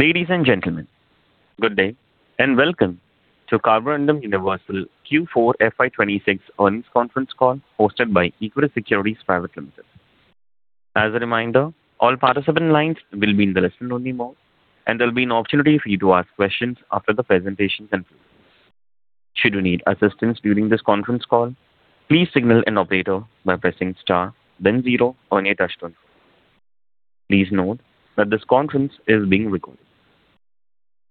Ladies and gentlemen, good day and welcome to Carborundum Universal Q4 FY 2026 earnings conference call hosted by Equirus Securities Private Limited. As a reminder, all participant lines will be in the listen-only mode, and there will be an opportunity for you to ask questions after the presentation concludes. Should you need assistance during this conference call, please signal an operator by pressing star zero on your touch-tone phone. Please note that this conference is being recorded.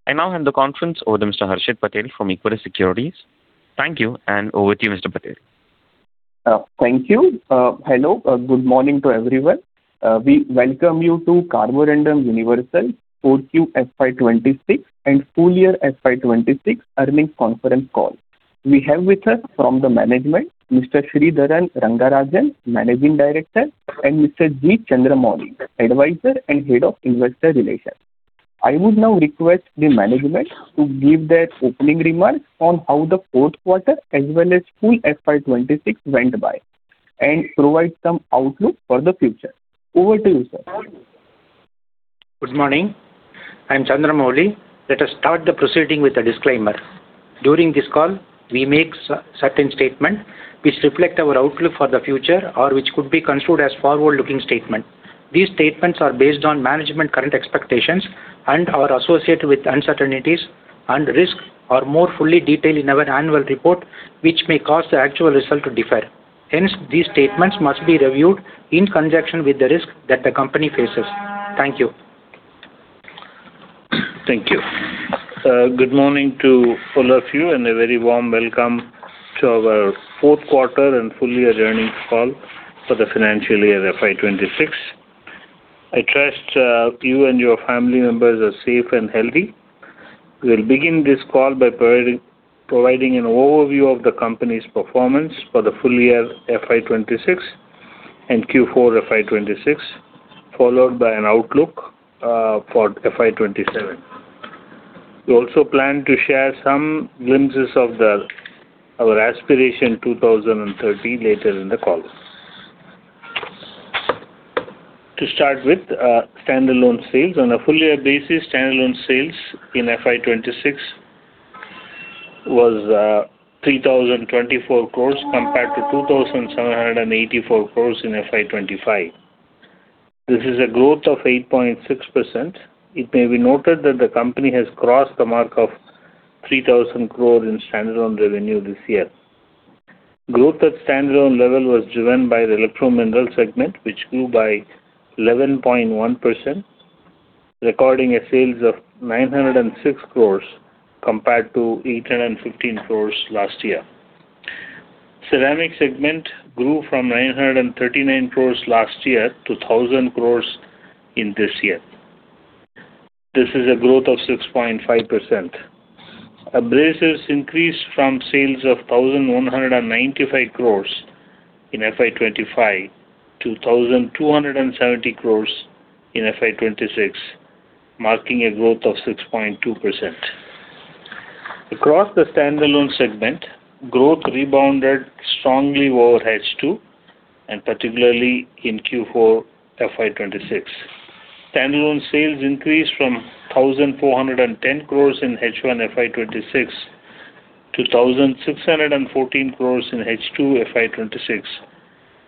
I now hand the conference over to Mr. Harshit Patel from Equirus Securities. Thank you, and over to you, Mr. Patel. Thank you. Hello. Good morning to everyone. We welcome you to Carborundum Universal 4Q FY 2026 and full year FY 2026 earnings conference call. We have with us from the management Mr. Sridharan Rangarajan, Managing Director, and Mr. G. Chandramouli, Advisor and Head of Investor Relations. I would now request the management to give their opening remarks on how the fourth quarter as well as full FY 2026 went by and provide some outlook for the future. Over to you, sir. Good morning. I'm Chandramouli. Let us start the proceeding with a disclaimer. During this call, we make certain statement which reflect our outlook for the future or which could be construed as forward-looking statement. These statements are based on management current expectations and are associated with uncertainties, and risks are more fully detailed in our annual report, which may cause the actual result to differ. Hence, these statements must be reviewed in conjunction with the risk that the company faces. Thank you. Thank you. Good morning to all of you and a very warm welcome to our fourth quarter and full year earnings call for the financial year FY 2026. I trust you and your family members are safe and healthy. We'll begin this call by providing an overview of the company's performance for the full year FY 2026 and Q4 FY 2026, followed by an outlook for FY 2027. We also plan to share some glimpses of our Aspiration 2030 later in the call. To start with, standalone sales. On a full year basis, standalone sales in FY 2026 was 3,024 crores compared to 2,784 crores in FY 2025. This is a growth of 8.6%. It may be noted that the company has crossed the mark of 3,000 crore in standalone revenue this year. Growth at standalone level was driven by the electromineral segment, which grew by 11.1%, recording a sales of 906 crore compared to 815 crore last year. Ceramic segment grew from 939 crore last year to 1,000 crore in this year. This is a growth of 6.5%. Abrasives increased from sales of 1,195 crore in FY 2025 to 1,270 crore in FY 2026, marking a growth of 6.2%. Across the standalone segment, growth rebounded strongly over H2 and particularly in Q4 FY 2026. Standalone sales increased from 1,410 crores in H1 FY 2026 to 1,614 crores in H2 FY 2026,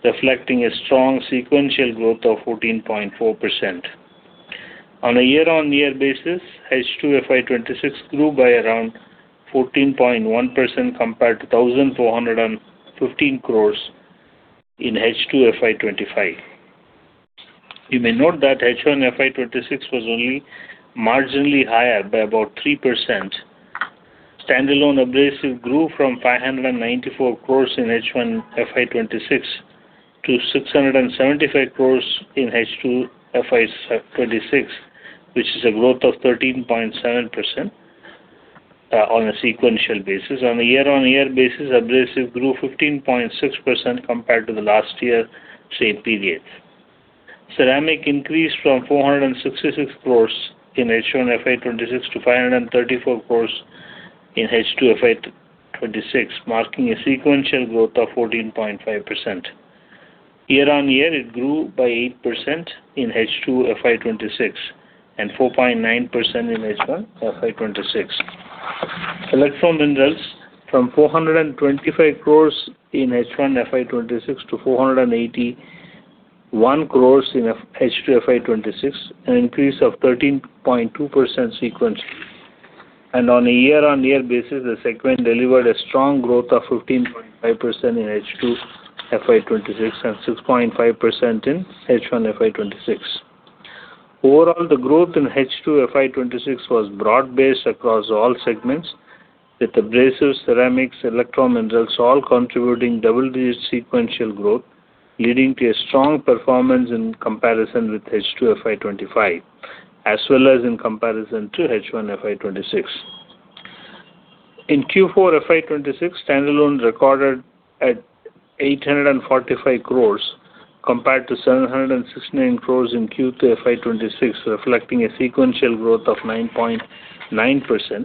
reflecting a strong sequential growth of 14.4%. On a year-on-year basis, H2 FY 2026 grew by around 14.1% compared to 1,415 crores in H2 FY 2025. You may note that H1 FY 2026 was only marginally higher by about 3%. Standalone abrasive grew from 594 crores in H1 FY 2026 to 675 crores in H2 FY 2026, which is a growth of 13.7% on a sequential basis. On a year-on-year basis, abrasive grew 15.6% compared to the last year same period. Ceramic increased from 466 crores in H1 FY 2026 to 534 crores in H2 FY 2026, marking a sequential growth of 14.5%. Year-on-year it grew by 8% in H2 FY 2026 and 4.9% in H1 FY 2026. Electrominerals from 425 crores in H1 FY 2026 to 481 crores in H2 FY 2026, an increase of 13.2% sequentially. On a year-on-year basis, the segment delivered a strong growth of 15.5% in H2 FY 2026 and 6.5% in H1 FY 2026. Overall, the growth in H2 FY 2026 was broad-based across all segments with abrasives, ceramics, electrominerals, all contributing double-digit sequential growth, leading to a strong performance in comparison with H2 FY 2025, as well as in comparison to H1 FY 2026. In Q4 FY 2026, standalone recorded at 845 crores compared to 769 crores in Q2 FY 2026, reflecting a sequential growth of 9.9%.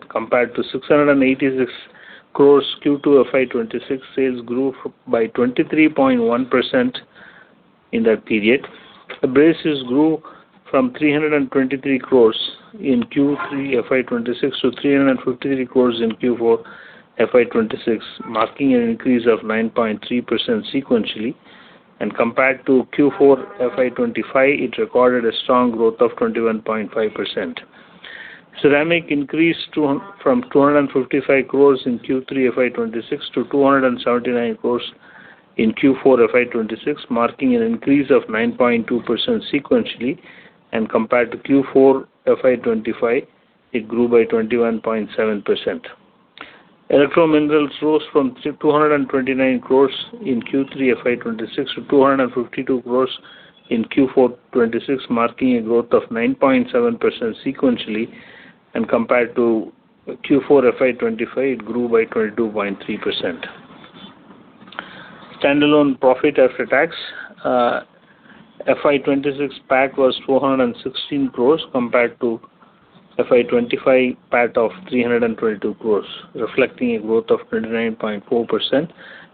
Compared to 686 crores, Q2 FY 2026 sales grew by 23.1%. In that period, abrasives grew from 323 crores in Q3 FY 2026 to 353 crores in Q4 FY 2026, marking an increase of 9.3% sequentially. Compared to Q4 FY 2025, it recorded a strong growth of 21.5%. Ceramic increased from 255 crores in Q3 FY 2026 to 279 crores in Q4 FY 2026, marking an increase of 9.2% sequentially. Compared to Q4 FY 2025, it grew by 21.7%. Electrominerals rose from 229 crores in Q3 FY 2026 to 252 crores in Q4 FY 2026, marking a growth of 9.7% sequentially. Compared to Q4 FY 2025, it grew by 22.3%. Standalone profit after tax, FY 2026 PAT was 416 crores compared to FY 2025 PAT of 322 crores, reflecting a growth of 29.4%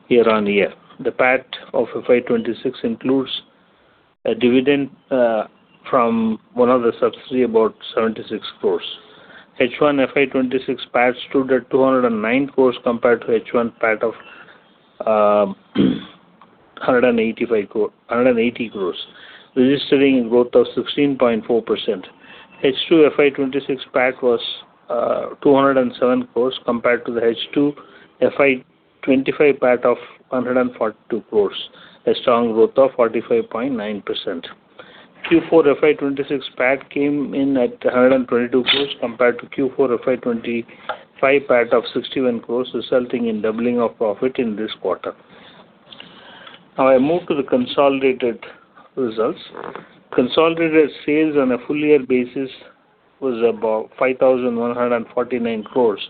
year on year. The PAT of FY 2026 includes a dividend from one of the subsidiary about 76 crores. H1 FY 2026 PAT stood at 209 crores compared to H1 PAT of 180 crores, registering a growth of 16.4%. H2 FY 2026 PAT was INR 207 crores compared to the H2 FY 2025 PAT of 142 crores, a strong growth of 45.9%. Q4 FY 2026 PAT came in at 122 crores compared to Q4 FY 2025 PAT of 61 crores, resulting in doubling of profit in this quarter. I move to the consolidated results. Consolidated sales on a full year basis was about 5,149 crores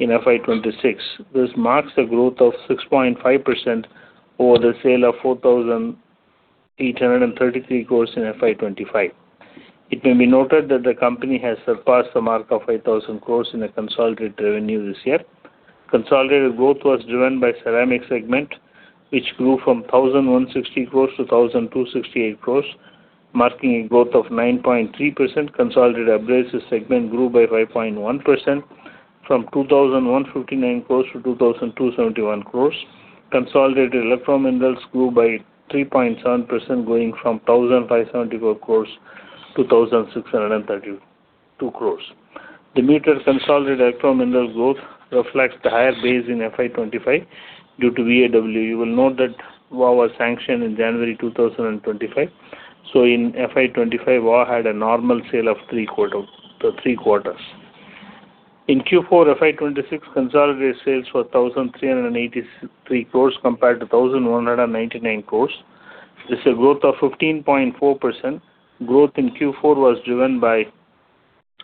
in FY 2026. This marks a growth of 6.5% over the sale of 4,333 crores in FY 2025. It may be noted that the company has surpassed the mark of 5,000 crores in the consolidated revenue this year. Consolidated growth was driven by ceramic segment, which grew from 1,160 crores to 1,268 crores, marking a growth of 9.3%. Consolidated abrasives segment grew by 5.1% from 2,159 crores to 2,271 crores. Consolidated electrominerals grew by 3.7%, going from 1,574 crores to 1,632 crores. The muted consolidated electromineral growth reflects the higher base in FY 2025 due to VAW. You will note that VAW was sanctioned in January 2025. In FY 2025, VAW had a normal sale of three quarters. In Q4 FY 2026, consolidated sales were 1,383 crores compared to 1,199 crores. This is a growth of 15.4%. Growth in Q4 was driven by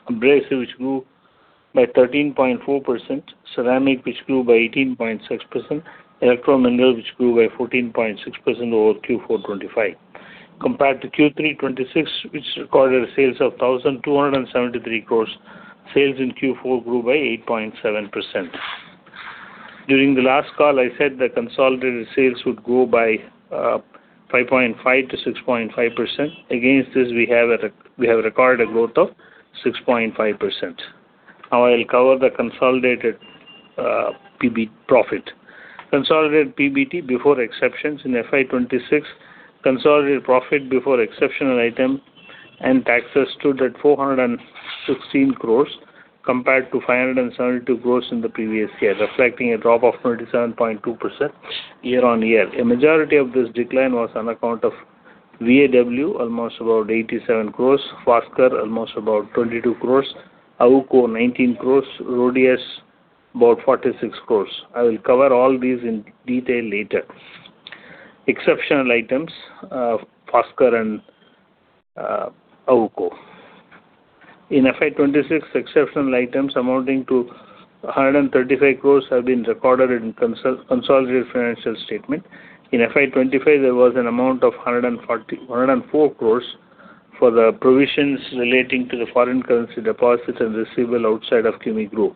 abrasive, which grew by 13.4%, ceramic, which grew by 18.6%, electro minerals, which grew by 14.6% over Q4 2025. Compared to Q3 2026, which recorded sales of 1,273 crores, sales in Q4 grew by 8.7%. During the last call, I said the consolidated sales would grow by 5.5%-6.5%. Against this, we have recorded a growth of 6.5%. Now I'll cover the consolidated PBT profit. Consolidated PBT before exceptional items in FY 2026, consolidated profit before exceptional item and taxes stood at 416 crores compared to 572 crores in the previous year, reflecting a drop of 27.2% year-on-year. A majority of this decline was on account of VAW, almost about 87 crores, Foskor almost about 22 crores, AWUKO 19 crores, RHODIUS about 46 crores. I will cover all these in detail later. Exceptional items, Foskor and AWUKO. In FY 2026, exceptional items amounting to 135 crores have been recorded in consolidated financial statement. In FY 2025, there was an amount of 104 crores for the provisions relating to the foreign currency deposits and receivable outside of CUMI Group,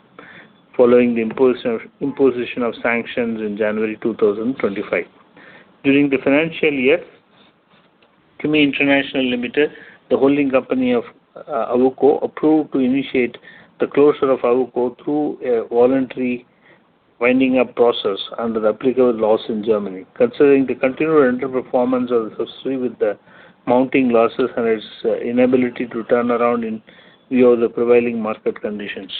following the imposition of sanctions in January 2025. During the financial year, CUMI International Limited, the holding company of AWUKO, approved to initiate the closure of AWUKO through a voluntary winding up process under the applicable laws in Germany. Considering the continued underperformance of the subsidiary with the mounting losses and its inability to turn around in view of the prevailing market conditions.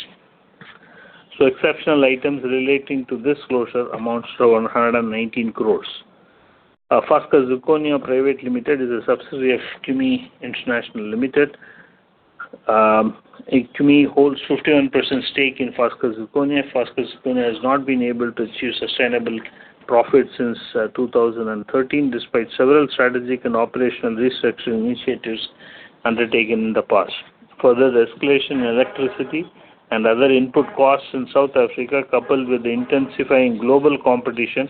Exceptional items relating to this closure amounts to 119 crores. Foskor Zirconia Private Limited is a subsidiary of CUMI International Limited. CUMI holds 51% stake in Foskor Zirconia. Foskor Zirconia has not been able to achieve sustainable profit since 2013, despite several strategic and operational restructuring initiatives undertaken in the past. Further, the escalation in electricity and other input costs in South Africa, coupled with the intensifying global competition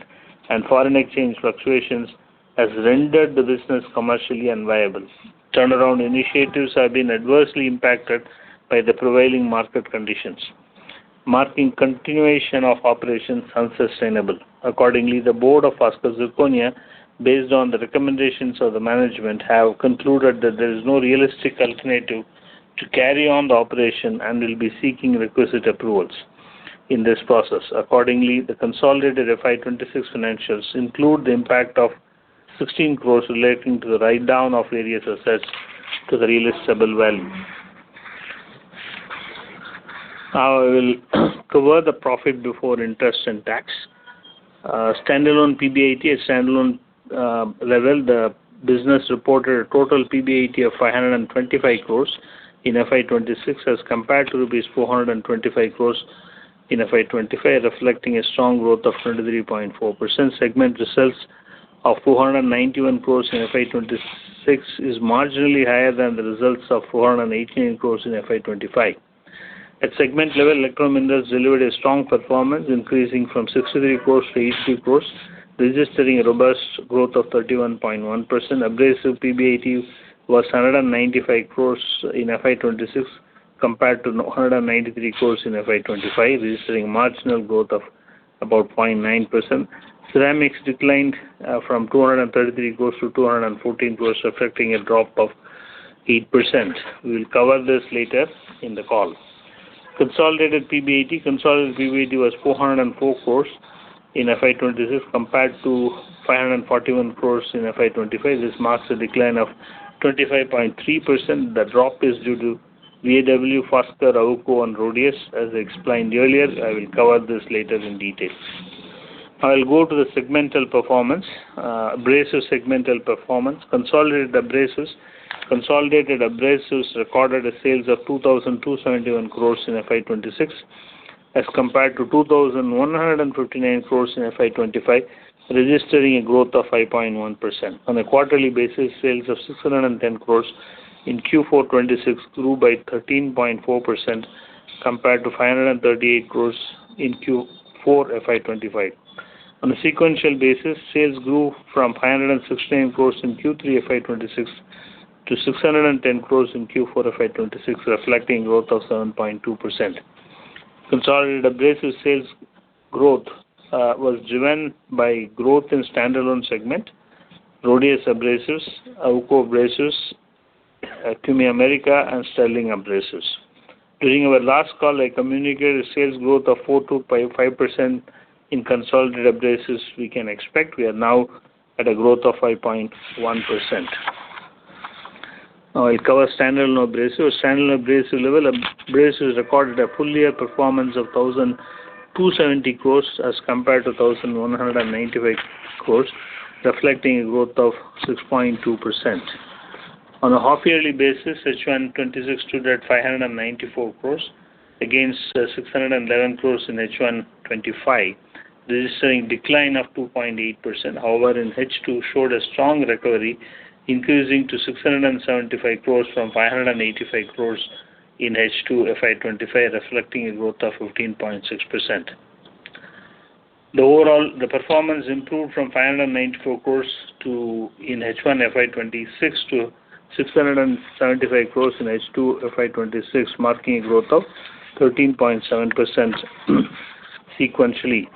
and foreign exchange fluctuations, has rendered the business commercially unviable. Turnaround initiatives have been adversely impacted by the prevailing market conditions. Marking continuation of operations unsustainable. Accordingly, the board of Foskor Zirconia, based on the recommendations of the management, have concluded that there is no realistic alternative to carry on the operation and will be seeking requisite approvals in this process. Accordingly, the consolidated FY 2026 financials include the impact of 16 crores relating to the write down of various assets to the realizable value. I will cover the profit before interest and tax. Standalone PBIT. At standalone level, the business reported total PBIT of 525 crores in FY 2026 as compared to INR 425 crores in FY 2025, reflecting a strong growth of 23.4%. Segment results of 491 crores in FY 2026 is marginally higher than the results of 418 crores in FY 2025. At segment level, Electro Minerals delivered a strong performance, increasing from 63 crores to 83 crores, registering a robust growth of 31.1%. Abrasives PBIT was 195 crores in FY 2026 compared to 193 crores in FY 2025, registering marginal growth of about 0.9%. Ceramics declined from 233 crores to 214 crores, reflecting a drop of 8%. We'll cover this later in the call. Consolidated PBIT. Consolidated PBIT was 404 crores in FY 2026 compared to 541 crores in FY 2025. This marks a decline of 25.3%. The drop is due to VAW, Foskor zirconia, AWUKO, and RHODIUS. As explained earlier, I will cover this later in detail. I'll go to the segmental performance. Abrasive segmental performance. Consolidated abrasives. Consolidated abrasives recorded a sales of 2,271 crores in FY 2026 as compared to 2,159 crores in FY 2025, registering a growth of 5.1%. On a quarterly basis, sales of 610 crores in Q4 2026 grew by 13.4% compared to 538 crores in Q4 FY 2025. On a sequential basis, sales grew from 516 crores in Q3 FY 2026 to 610 crores in Q4 FY 2026, reflecting growth of 7.2%. Consolidated abrasive sales growth was driven by growth in standalone segment, RHODIUS Abrasives, AWUKO Abrasives, CUMI America, and Sterling Abrasives. During our last call, I communicated a sales growth of 4%-5%, 5% in consolidated abrasives we can expect. We are now at a growth of 5.1%. Now I'll cover standalone abrasives. Standalone abrasive level, abrasives recorded a full year performance of 1,270 crores as compared to 1,195 crores, reflecting a growth of 6.2%. On a half yearly basis, H1 2026 stood at 594 crores against 611 crores in H1 2025, registering decline of 2.8%. However, in H2 showed a strong recovery, increasing to 675 crores from 585 crores in H2 FY 2025, reflecting a growth of 15.6%. Overall, performance improved from 594 crores in H1 FY 2026 to 675 crores in H2 FY 2026, marking a growth of 13.7% sequentially.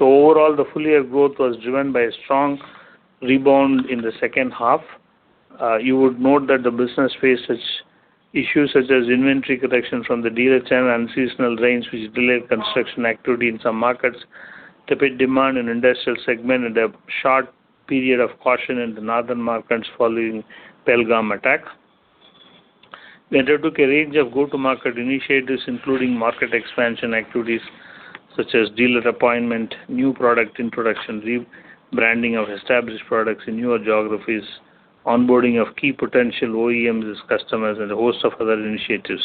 You would note that the business faced such issues such as inventory correction from the dealer channel and seasonal rains which delayed construction activity in some markets, tepid demand in industrial segment, and a short period of caution in the northern markets following Pahalgam attack. We undertook a range of go-to-market initiatives, including market expansion activities such as dealer appointment, new product introduction, re-branding of established products in newer geographies, onboarding of key potential OEMs as customers, and a host of other initiatives.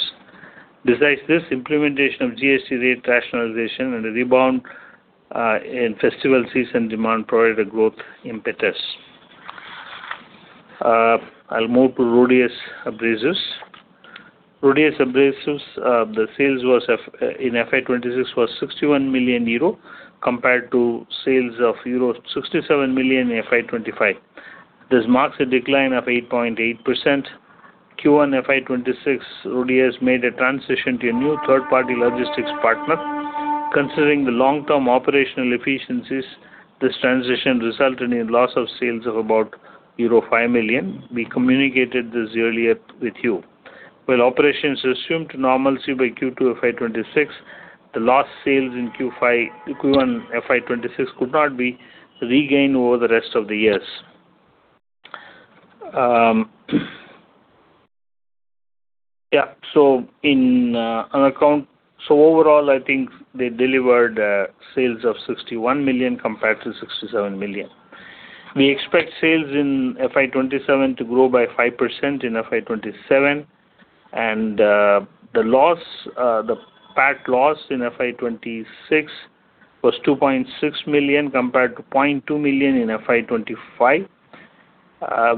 Besides this, implementation of GST rate rationalization and a rebound in festival season demand provided a growth impetus. I'll move to RHODIUS Abrasives. RHODIUS Abrasives, the sales in FY 2026 was 61 million euro compared to sales of euro 67 million in FY 2025. This marks a decline of 8.8%. Q1 FY 2026, RHODIUS made a transition to a new third-party logistics partner. Considering the long-term operational efficiencies, this transition resulted in loss of sales of about euro 5 million. We communicated this earlier with you. While operations resumed normalcy by Q2 FY 2026, the lost sales in Q1 FY 2026 could not be regained over the rest of the years. Yeah. Overall, I think they delivered sales of 61 million compared to 67 million. We expect sales in FY 2027 to grow by 5% in FY 2027. The loss, the PAT loss in FY 2026 was 2.6 million compared to 0.2 million in FY 2025.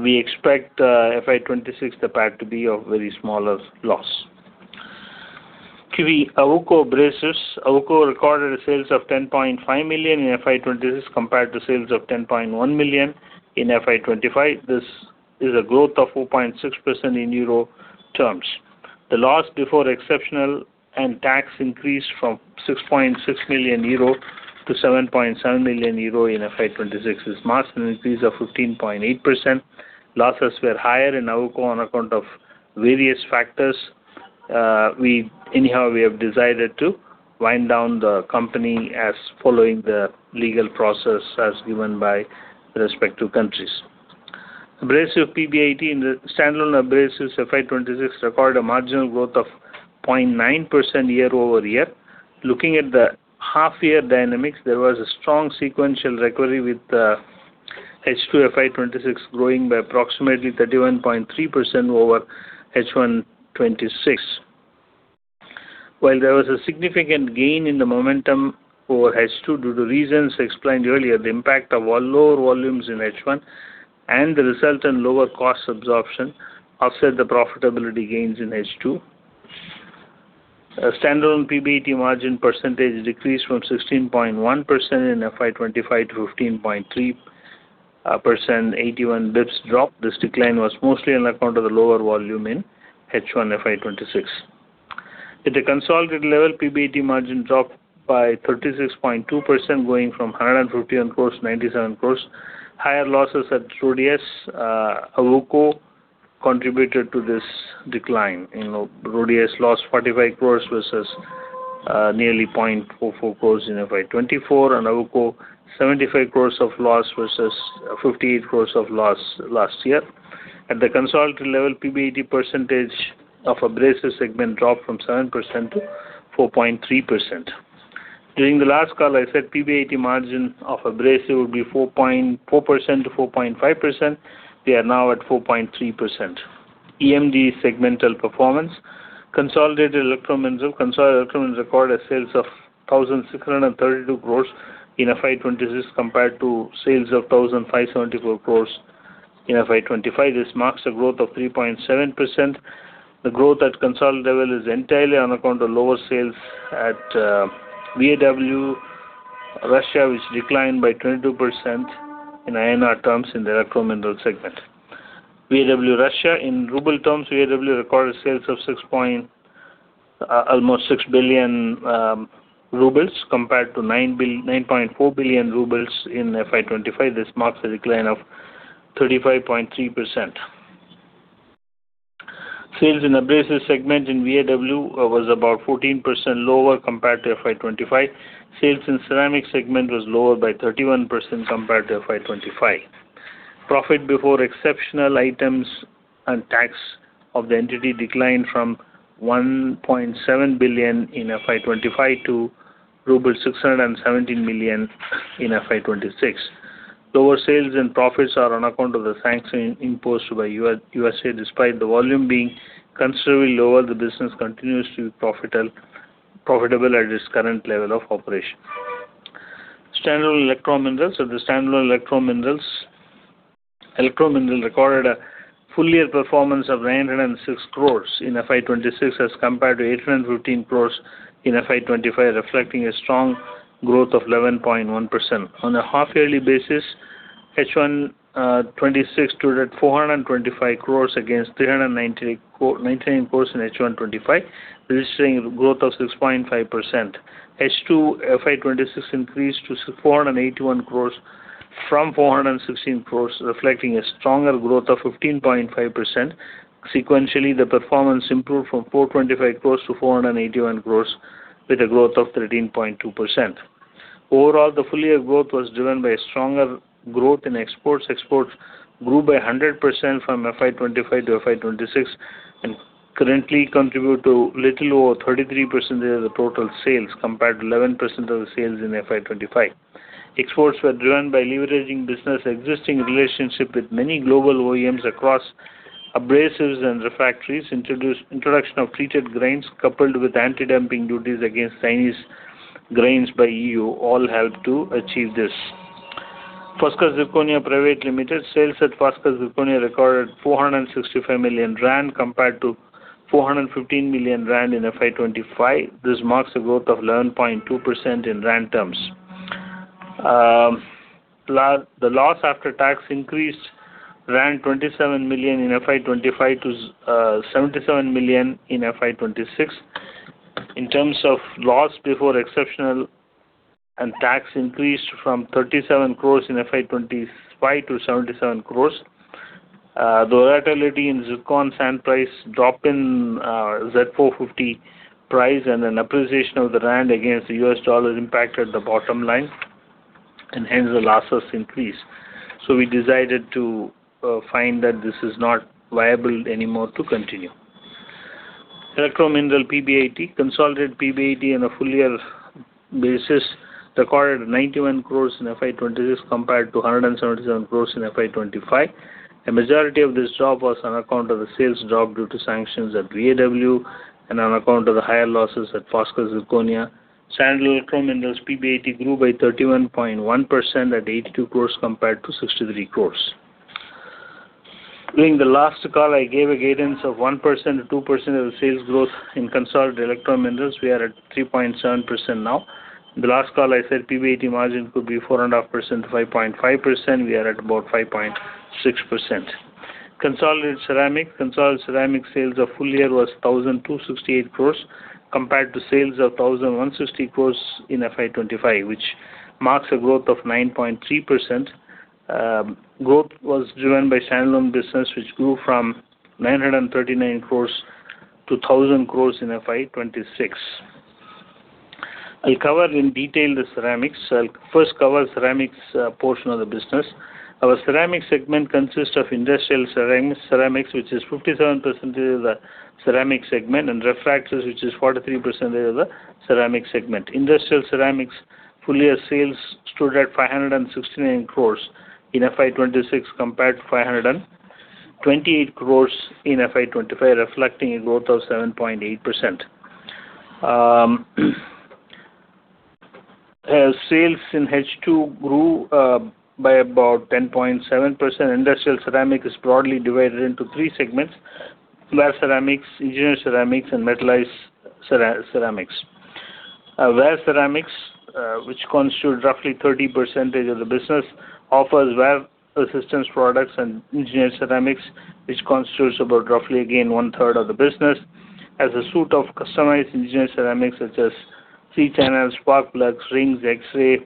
We expect FY 2026, the PAT to be a very smaller loss. CUMI AWUKO Abrasives. AWUKO recorded sales of 10.5 million in FY 2026 compared to sales of 10.1 million in FY 2025. This is a growth of 4.6% in euro terms. The loss before exceptional and tax increased from 6.6 million euro to 7.7 million euro in FY 2026. This marks an increase of 15.8%. Losses were higher in AWUKO on account of various factors. Anyhow, we have decided to wind down the company as following the legal process as given by respective countries. Abrasive PBIT in the standalone abrasives FY 2026 recorded a marginal growth of 0.9% year-over-year. Looking at the half-year dynamics, there was a strong sequential recovery with the H2 FY 2026 growing by approximately 31.3% over H1 2026. While there was a significant gain in the momentum over H2 due to reasons explained earlier, the impact of low volumes in H1 and the resultant lower cost absorption offset the profitability gains in H2. A standalone PBIT margin percentage decreased from 16.1% in FY 2025 to 15.3%, 81 basis points drop. This decline was mostly on account of the lower volume in H1 FY 2026. At a consolidated level, PBIT margin dropped by 36.2% going from 151 crores to 97 crores. Higher losses at RHODIUS AWUKO contributed to this decline. You know, RHODIUS lost 45 crores versus nearly 0.44 crores in FY 2024, and AWUKO 75 crores of loss versus 58 crores of loss last year. At the consolidated level, PBIT percentage of abrasives segment dropped from 7% to 4.3%. During the last call, I said PBIT margin of abrasive would be 4.4%-4.5%. We are now at 4.3%. EMD segmental performance. Consolidated Electro Minerals recorded sales of 1,632 crores in FY 2026 compared to sales of 1,574 crores in FY 2025. This marks a growth of 3.7%. The growth at consolidated level is entirely on account of lower sales at VAW Russia, which declined by 22% in INR terms in the Electro Minerals segment. VAW Russia, in ruble terms, VAW recorded sales of almost 6 billion rubles compared to 9.4 billion rubles in FY 2025. This marks a decline of 35.3%. Sales in abrasives segment in VAW was about 14% lower compared to FY 2025. Sales in ceramic segment was lower by 31% compared to FY 2025. Profit before exceptional items and tax of the entity declined from 1.7 billion in FY 2025 to ruble 617 million in FY 2026. Lower sales and profits are on account of the sanction imposed by U.S.A. Despite the volume being considerably lower, the business continues to be profitable at its current level of operation. Standalone electro minerals. At the standalone electro minerals, electro mineral recorded a full year performance of 906 crores in FY 2026 as compared to 815 crores in FY 2025, reflecting a strong growth of 11.1%. On a half yearly basis, H1 2026 stood at INR 425 crores against 399 crores in H1 2025, registering a growth of 6.5%. H2 FY 2026 increased to 481 crores from 416 crores, reflecting a stronger growth of 15.5%. Sequentially, the performance improved from 425 crores to 481 crores with a growth of 13.2%. Overall, the full year growth was driven by stronger growth in exports. Exports grew by 100% from FY 2025 to FY 2026 and currently contribute to little over 33% of the total sales compared to 11% of the sales in FY 2025. Exports were driven by leveraging business existing relationship with many global OEMs across abrasives and refractories. Introduction of treated grains coupled with anti-dumping duties against Chinese grains by EU all helped to achieve this. Foskor Zirconia Private Limited. Sales at Foskor Zirconia recorded 465 million rand compared to 415 million rand in FY 2025. This marks a growth of 11.2% in rand terms. The loss after tax increased 27 million in FY 2025 to 77 million in FY 2026. In terms of loss before exceptional and tax increased from 37 crores in FY 2025 to 77 crores. The volatility in zircon sand price drop in Z450 price and an appreciation of the rand against the US dollar impacted the bottom line and hence the losses increased. We decided to find that this is not viable anymore to continue. Electro mineral PBIT. Consolidated PBIT on a full year basis recorded 91 crores in FY 2026 compared to 177 crores in FY 2025. A majority of this drop was on account of the sales drop due to sanctions at VAW and on account of the higher losses at Foskor Zirconia. Standalone electro minerals PBIT grew by 31.1% at 82 crores compared to 63 crores. During the last call, I gave a guidance of 1%-2% of the sales growth in consolidated electro minerals. We are at 3.7% now. The last call I said PBIT margin could be 4.5% to 5.5%. We are at about 5.6%. Consolidated ceramic sales of full year was 1,268 crores compared to sales of 1,160 crores in FY 2025, which marks a growth of 9.3%. Growth was driven by standalone business, which grew from 939 crores to 1,000 crores in FY 2026. I'll cover in detail the ceramics. I'll first cover ceramics portion of the business. Our ceramic segment consists of industrial ceramics, which is 57% of the ceramic segment, and refractors, which is 43% of the ceramic segment. Industrial ceramics full year sales stood at 569 crores in FY 2026 compared to 528 crores in FY 2025, reflecting a growth of 7.8%. As sales in H2 grew by about 10.7%, industrial ceramic is broadly divided into three segments: wear ceramics, engineered ceramics, and metallized ceramics. wear ceramics, which constitute roughly 30% of the business, offers wear resistance products and engineered ceramics, which constitutes about roughly, again, one-third of the business, as a suite of customized engineered ceramics such as C channels, spark plugs, rings, X-ray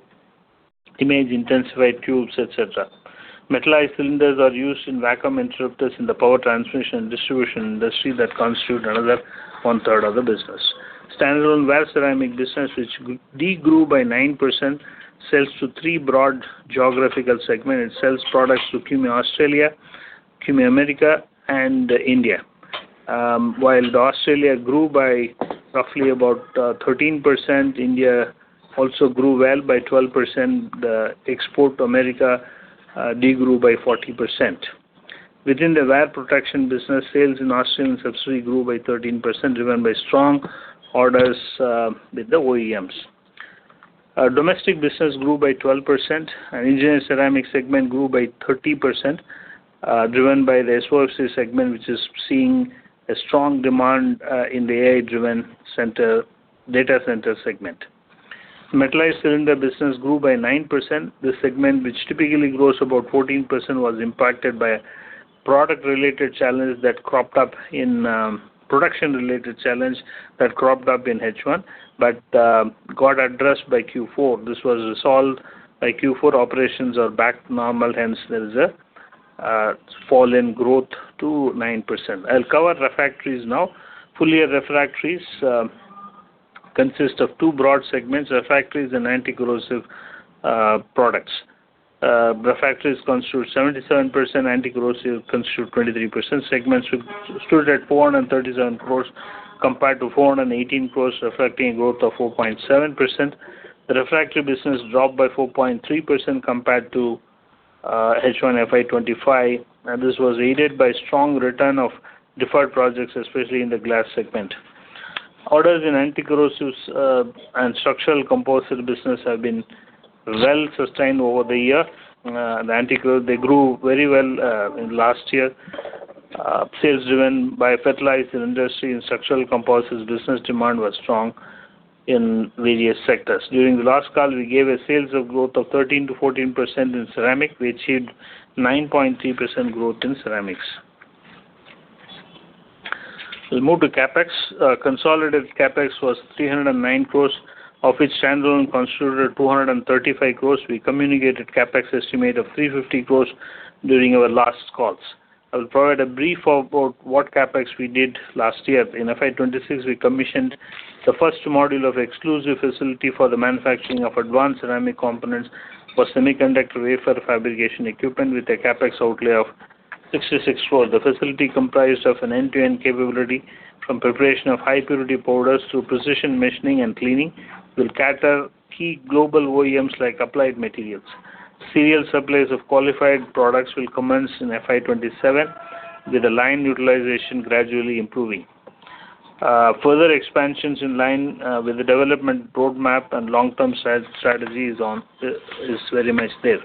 image intensifier tubes, et cetera. Metallized cylinders are used in vacuum interruptors in the power transmission and distribution industry that constitute another one-third of the business. Standalone ware ceramic business, which grew by 9%, sells to 3 broad geographical segment. It sells products to CUMI Australia, CUMI America, and India. While the Australia grew by roughly 13%, India also grew well by 12%. The export to America degrew by 40%. Within the wear protection business, sales in Australia and subsidiary grew by 13%, driven by strong orders with the OEMs. Our domestic business grew by 12%, engineered ceramic segment grew by 30%, driven by the associate segment, which is seeing a strong demand in the AI-driven data center segment. Metallized cylinder business grew by 9%. This segment, which typically grows about 14%, was impacted by production-related challenge that cropped up in H1, got addressed by Q4. This was resolved by Q4. Operations are back to normal. Hence, there is a fall in growth to 9%. I'll cover refractories now. Full year refractories consist of two broad segments: refractories and anti-corrosive products. Refractories constitute 77%. Anti-corrosive constitute 23%. Segments stood at 437 crores compared to 418 crores, reflecting growth of 4.7%. The refractory business dropped by 4.3% compared to H1 FY 2025, and this was aided by strong return of deferred projects, especially in the glass segment. Orders in anti-corrosives and structural composite business have been well sustained over the year. They grew very well in last year. Sales driven by fertilizer industry and structural composites business demand was strong in various sectors. During the last call, we gave a sales of growth of 13%-14% in ceramic. We achieved 9.3% growth in ceramics. We'll move to CapEx. Consolidated CapEx was 309 crores, of which standalone constituted 235 crores. We communicated CapEx estimate of 350 crores during our last calls. I'll provide a brief about what CapEx we did last year. In FY 2026, we commissioned the first module of exclusive facility for the manufacturing of advanced ceramic components for semiconductor wafer fabrication equipment with a CapEx outlay of 66 crore. The facility comprised of an end-to-end capability from preparation of high purity powders to precision machining and cleaning will cater key global OEMs like Applied Materials. Serial supplies of qualified products will commence in FY 2027, with the line utilization gradually improving. Further expansions in line with the development roadmap and long-term strategy is on, is very much there.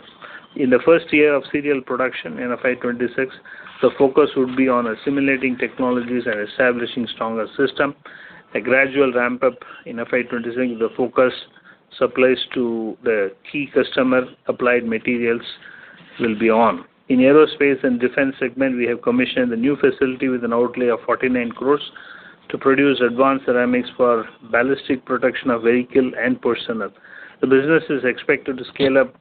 In the first year of serial production in FY 2026, the focus would be on assimilating technologies and establishing stronger system. A gradual ramp-up in FY 2026, the focus supplies to the key customer, Applied Materials, will be on. In aerospace and defense segment, we have commissioned a new facility with an outlay of 49 crores to produce advanced ceramics for ballistic protection of vehicle and personnel. The business is expected to scale up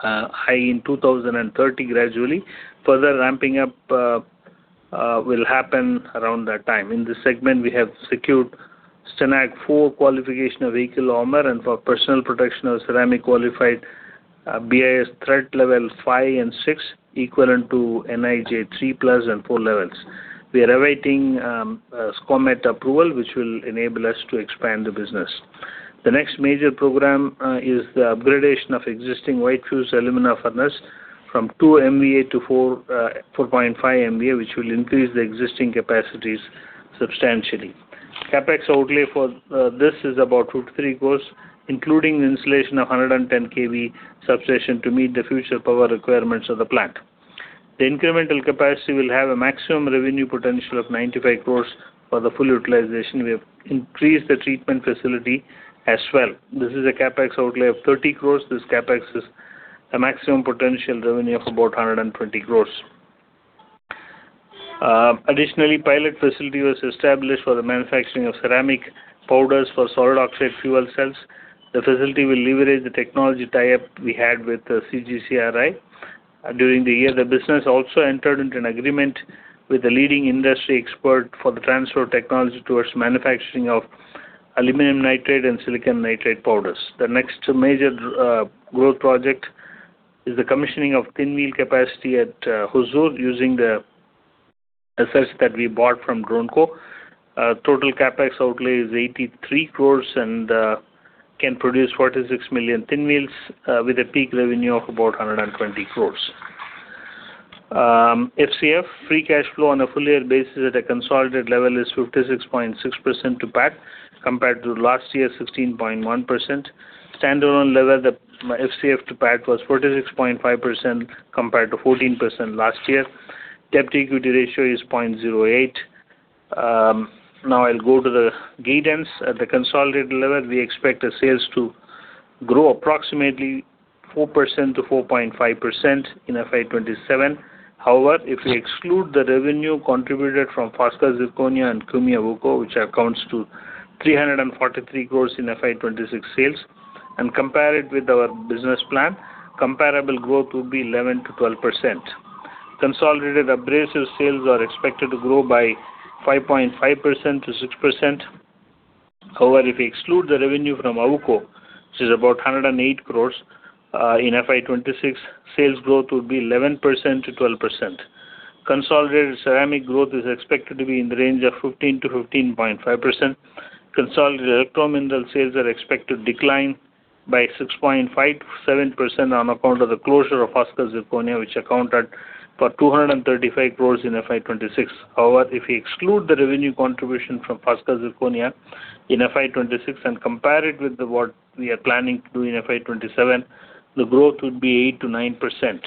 high in 2030 gradually. Further ramping up will happen around that time. In this segment, we have secured STANAG 4 qualification of vehicle armor and for personal protection of ceramic qualified BIS threat level 5 and 6, equivalent to NIJ III+ and IV levels. We are awaiting SCOMET approval, which will enable us to expand the business. The next major program is the upgradation of existing white fused alumina furnace from 2 MVA to 4.5 MVA, which will increase the existing capacities substantially. CapEx outlay for this is about 2-3 crores, including the installation of 110 KV substation to meet the future power requirements of the plant. The incremental capacity will have a maximum revenue potential of 95 crores for the full utilization. We have increased the treatment facility as well. This is a CapEx outlay of 30 crores. This CapEx is a maximum potential revenue of about 120 crores. Additionally, pilot facility was established for the manufacturing of ceramic powders for solid oxide fuel cells. The facility will leverage the technology tie-up we had with the CGCRI. During the year, the business also entered into an agreement with the leading industry expert for the transfer of technology towards manufacturing of aluminum nitride and silicon nitride powders. The next major growth project is the commissioning of thin wheel capacity at Hosur using the assets that we bought from Dronco. Total CapEx outlay is 83 crores and can produce 46 million thin wheels with a peak revenue of about 120 crores. FCF, free cash flow on a full year basis at a consolidated level is 56.6% to PAT compared to last year's 16.1%. Standalone level, FCF to PAT was 46.5% compared to 14% last year. Debt-to-equity ratio is 0.08. Now I'll go to the guidance. At the consolidated level, we expect the sales to grow approximately 4%-4.5% in FY 2027. However, if we exclude the revenue contributed from Foskor Zirconia and CUMI AWUKO, which accounts to 343 crores in FY 2026 sales, and compare it with our business plan, comparable growth will be 11%-12%. Consolidated abrasive sales are expected to grow by 5.5%-6%. However, if we exclude the revenue from AWUKO, which is about 108 crores in FY 2026, sales growth would be 11%-12%. Consolidated ceramic growth is expected to be in the range of 15%-15.5%. Consolidated electromineral sales are expected to decline by 6.5%-7% on account of the closure of Foskor Zirconia, which accounted for 235 crores in FY 2026. However, if we exclude the revenue contribution from Foskor Zirconia in FY 2026 and compare it with what we are planning to do in FY 2027, the growth would be 8%-9%.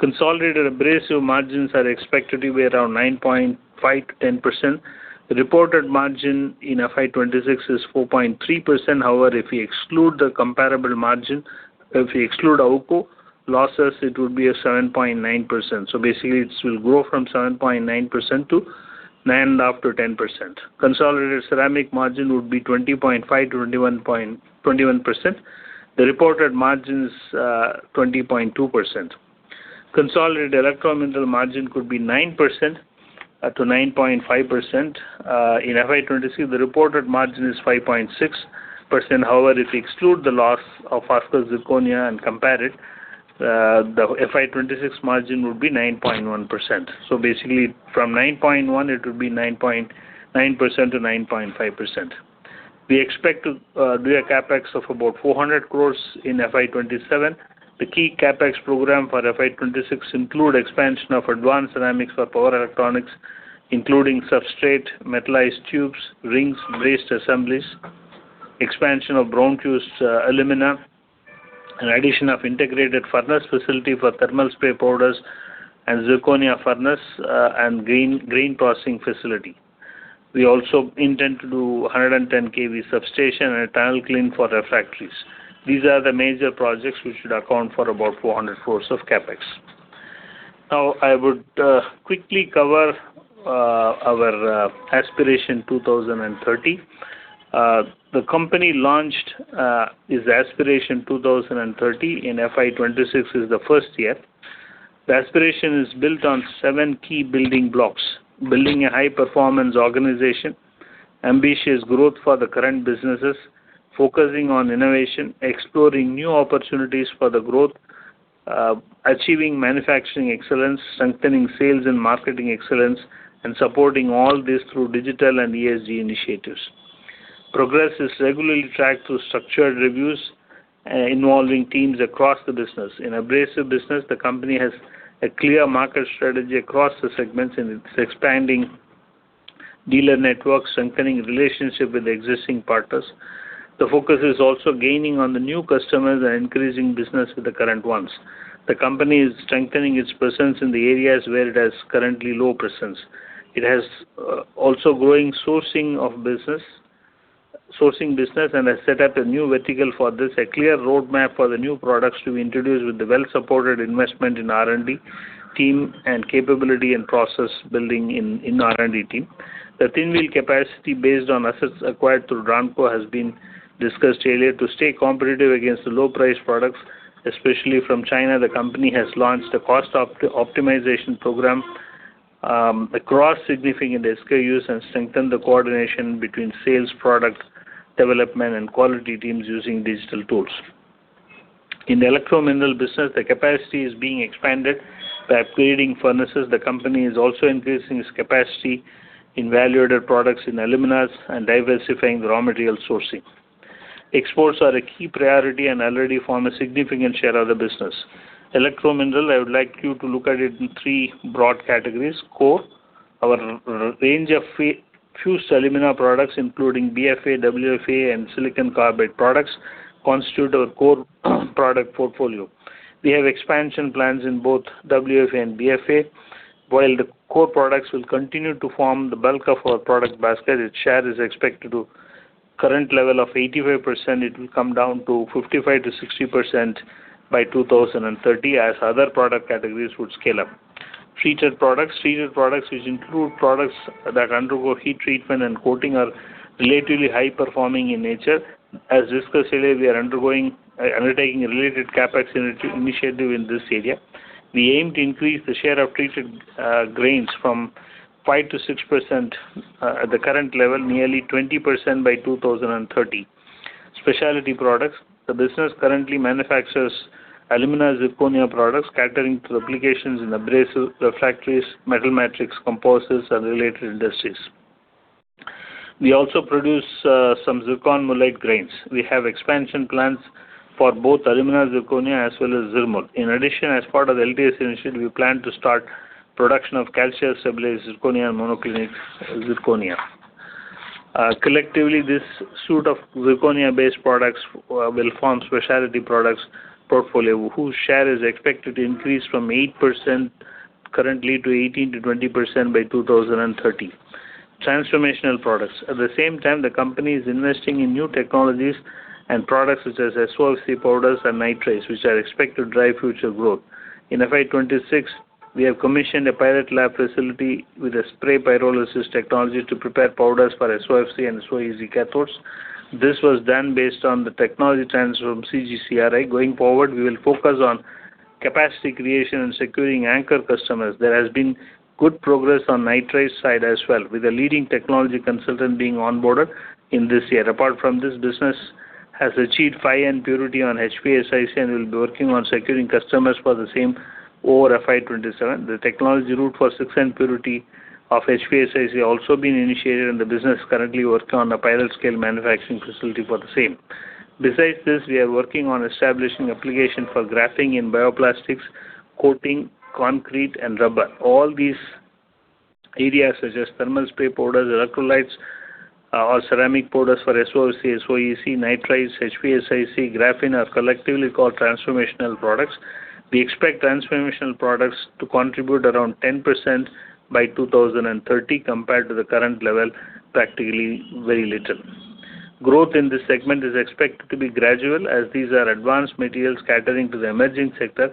Consolidated abrasive margins are expected to be around 9.5%-10%. The reported margin in FY 2026 is 4.3%. However, if we exclude the comparable margin, if we exclude AWUKO losses, it would be 7.9%. Basically, it will grow from 7.9% to 9.5%-10%. Consolidated ceramic margin would be 20.5%-21%. The reported margin's 20.2%. Consolidated electromineral margin could be 9%-9.5%. In FY 2026, the reported margin is 5.6%. However, if we exclude the loss of Foskor Zirconia and compare it, the FY 2026 margin would be 9.1%. From 9.1%, it would be 9%-9.5%. We expect to do a CapEx of about 400 crores in FY 2027. The key CapEx program for FY 2026 include expansion of advanced ceramics for power electronics, including substrate, metallized tubes, rings, brazed assemblies, expansion of brown fused alumina, and addition of integrated furnace facility for thermal spray powders and zirconia furnace and grain passing facility. We also intend to do 110 kV substation and a tile kiln for refractories. These are the major projects which should account for about 400 crores of CapEx. Now, I would quickly cover our Aspiration 2030. The company launched its Aspiration 2030 in FY 2026 is the first year. The Aspiration is built on seven key building blocks: building a high-performance organization, ambitious growth for the current businesses, focusing on innovation, exploring new opportunities for the growth, achieving manufacturing excellence, strengthening sales and marketing excellence, and supporting all this through digital and ESG initiatives. Progress is regularly tracked through structured reviews, involving teams across the business. In abrasive business, the company has a clear market strategy across the segments, and it's expanding dealer networks, strengthening relationship with existing partners. The focus is also gaining on the new customers and increasing business with the current ones. The company is strengthening its presence in the areas where it has currently low presence. It has also growing sourcing business and has set up a new vertical for this, a clear roadmap for the new products to be introduced with the well-supported investment in R&D team and capability and process building in R&D team. The thin wheel capacity based on assets acquired through Dronco has been discussed earlier. To stay competitive against the low-priced products, especially from China, the company has launched a cost optimization program across significant SKUs and strengthened the coordination between sales, product development, and quality teams using digital tools. In electromineral business, the capacity is being expanded by upgrading furnaces. The company is also increasing its capacity in value-added products in aluminas and diversifying the raw material sourcing. Exports are a key priority and already form a significant share of the business. Electro minerals. I would like you to look at it in three broad categories: Core. Our range of fused alumina products, including BFA, WFA, and silicon carbide products, constitute our core product portfolio. We have expansion plans in both WFA and BFA. While the core products will continue to form the bulk of our product basket, its share is expected to current level of 85%, it will come down to 55%-60% by 2030 as other product categories would scale up. Treated products, which include products that undergo heat treatment and coating, are relatively high performing in nature. As discussed earlier, we are undertaking a related CapEx initiative in this area. We aim to increase the share of treated grains from 5%-6%, at the current level, nearly 20% by 2030. Specialty products. The business currently manufactures alumina zirconia products catering to applications in abrasive refractories, metal matrix, composites, and related industries. We also produce some zircon mullite grains. We have expansion plans for both alumina zirconia as well as ZirMul. In addition, as part of the LTS initiative, we plan to start production of calcium stabilized zirconia and monoclinic zirconia. Collectively, this suite of zirconia-based products will form specialty products portfolio, whose share is expected to increase from 8% currently to 18%-20% by 2030. Transformational products. At the same time, the company is investing in new technologies and products such as SOFC powders and nitrides, which are expected to drive future growth. In FY 2026, we have commissioned a pilot lab facility with a spray pyrolysis technology to prepare powders for SOFC and SOEC cathodes. This was done based on the technology transfer from CGCRI. We will focus on capacity creation and securing anchor customers. There has been good progress on nitride side as well, with a leading technology consultant being onboarded in this year. Apart from this, business has achieved 5N purity on HPSiC and will be working on securing customers for the same over FY 2027. The technology route for 6N purity of HPSiC also been initiated, and the business currently working on a pilot scale manufacturing facility for the same. Besides this, we are working on establishing application for graphene in bioplastics, coating, concrete, and rubber. All these areas such as thermal spray powders, electrolytes, or ceramic powders for SOFC, SOEC, nitrides, HPSiC, graphene are collectively called transformational products. We expect transformational products to contribute around 10% by 2030 compared to the current level, practically very little. Growth in this segment is expected to be gradual, as these are advanced materials catering to the emerging sector.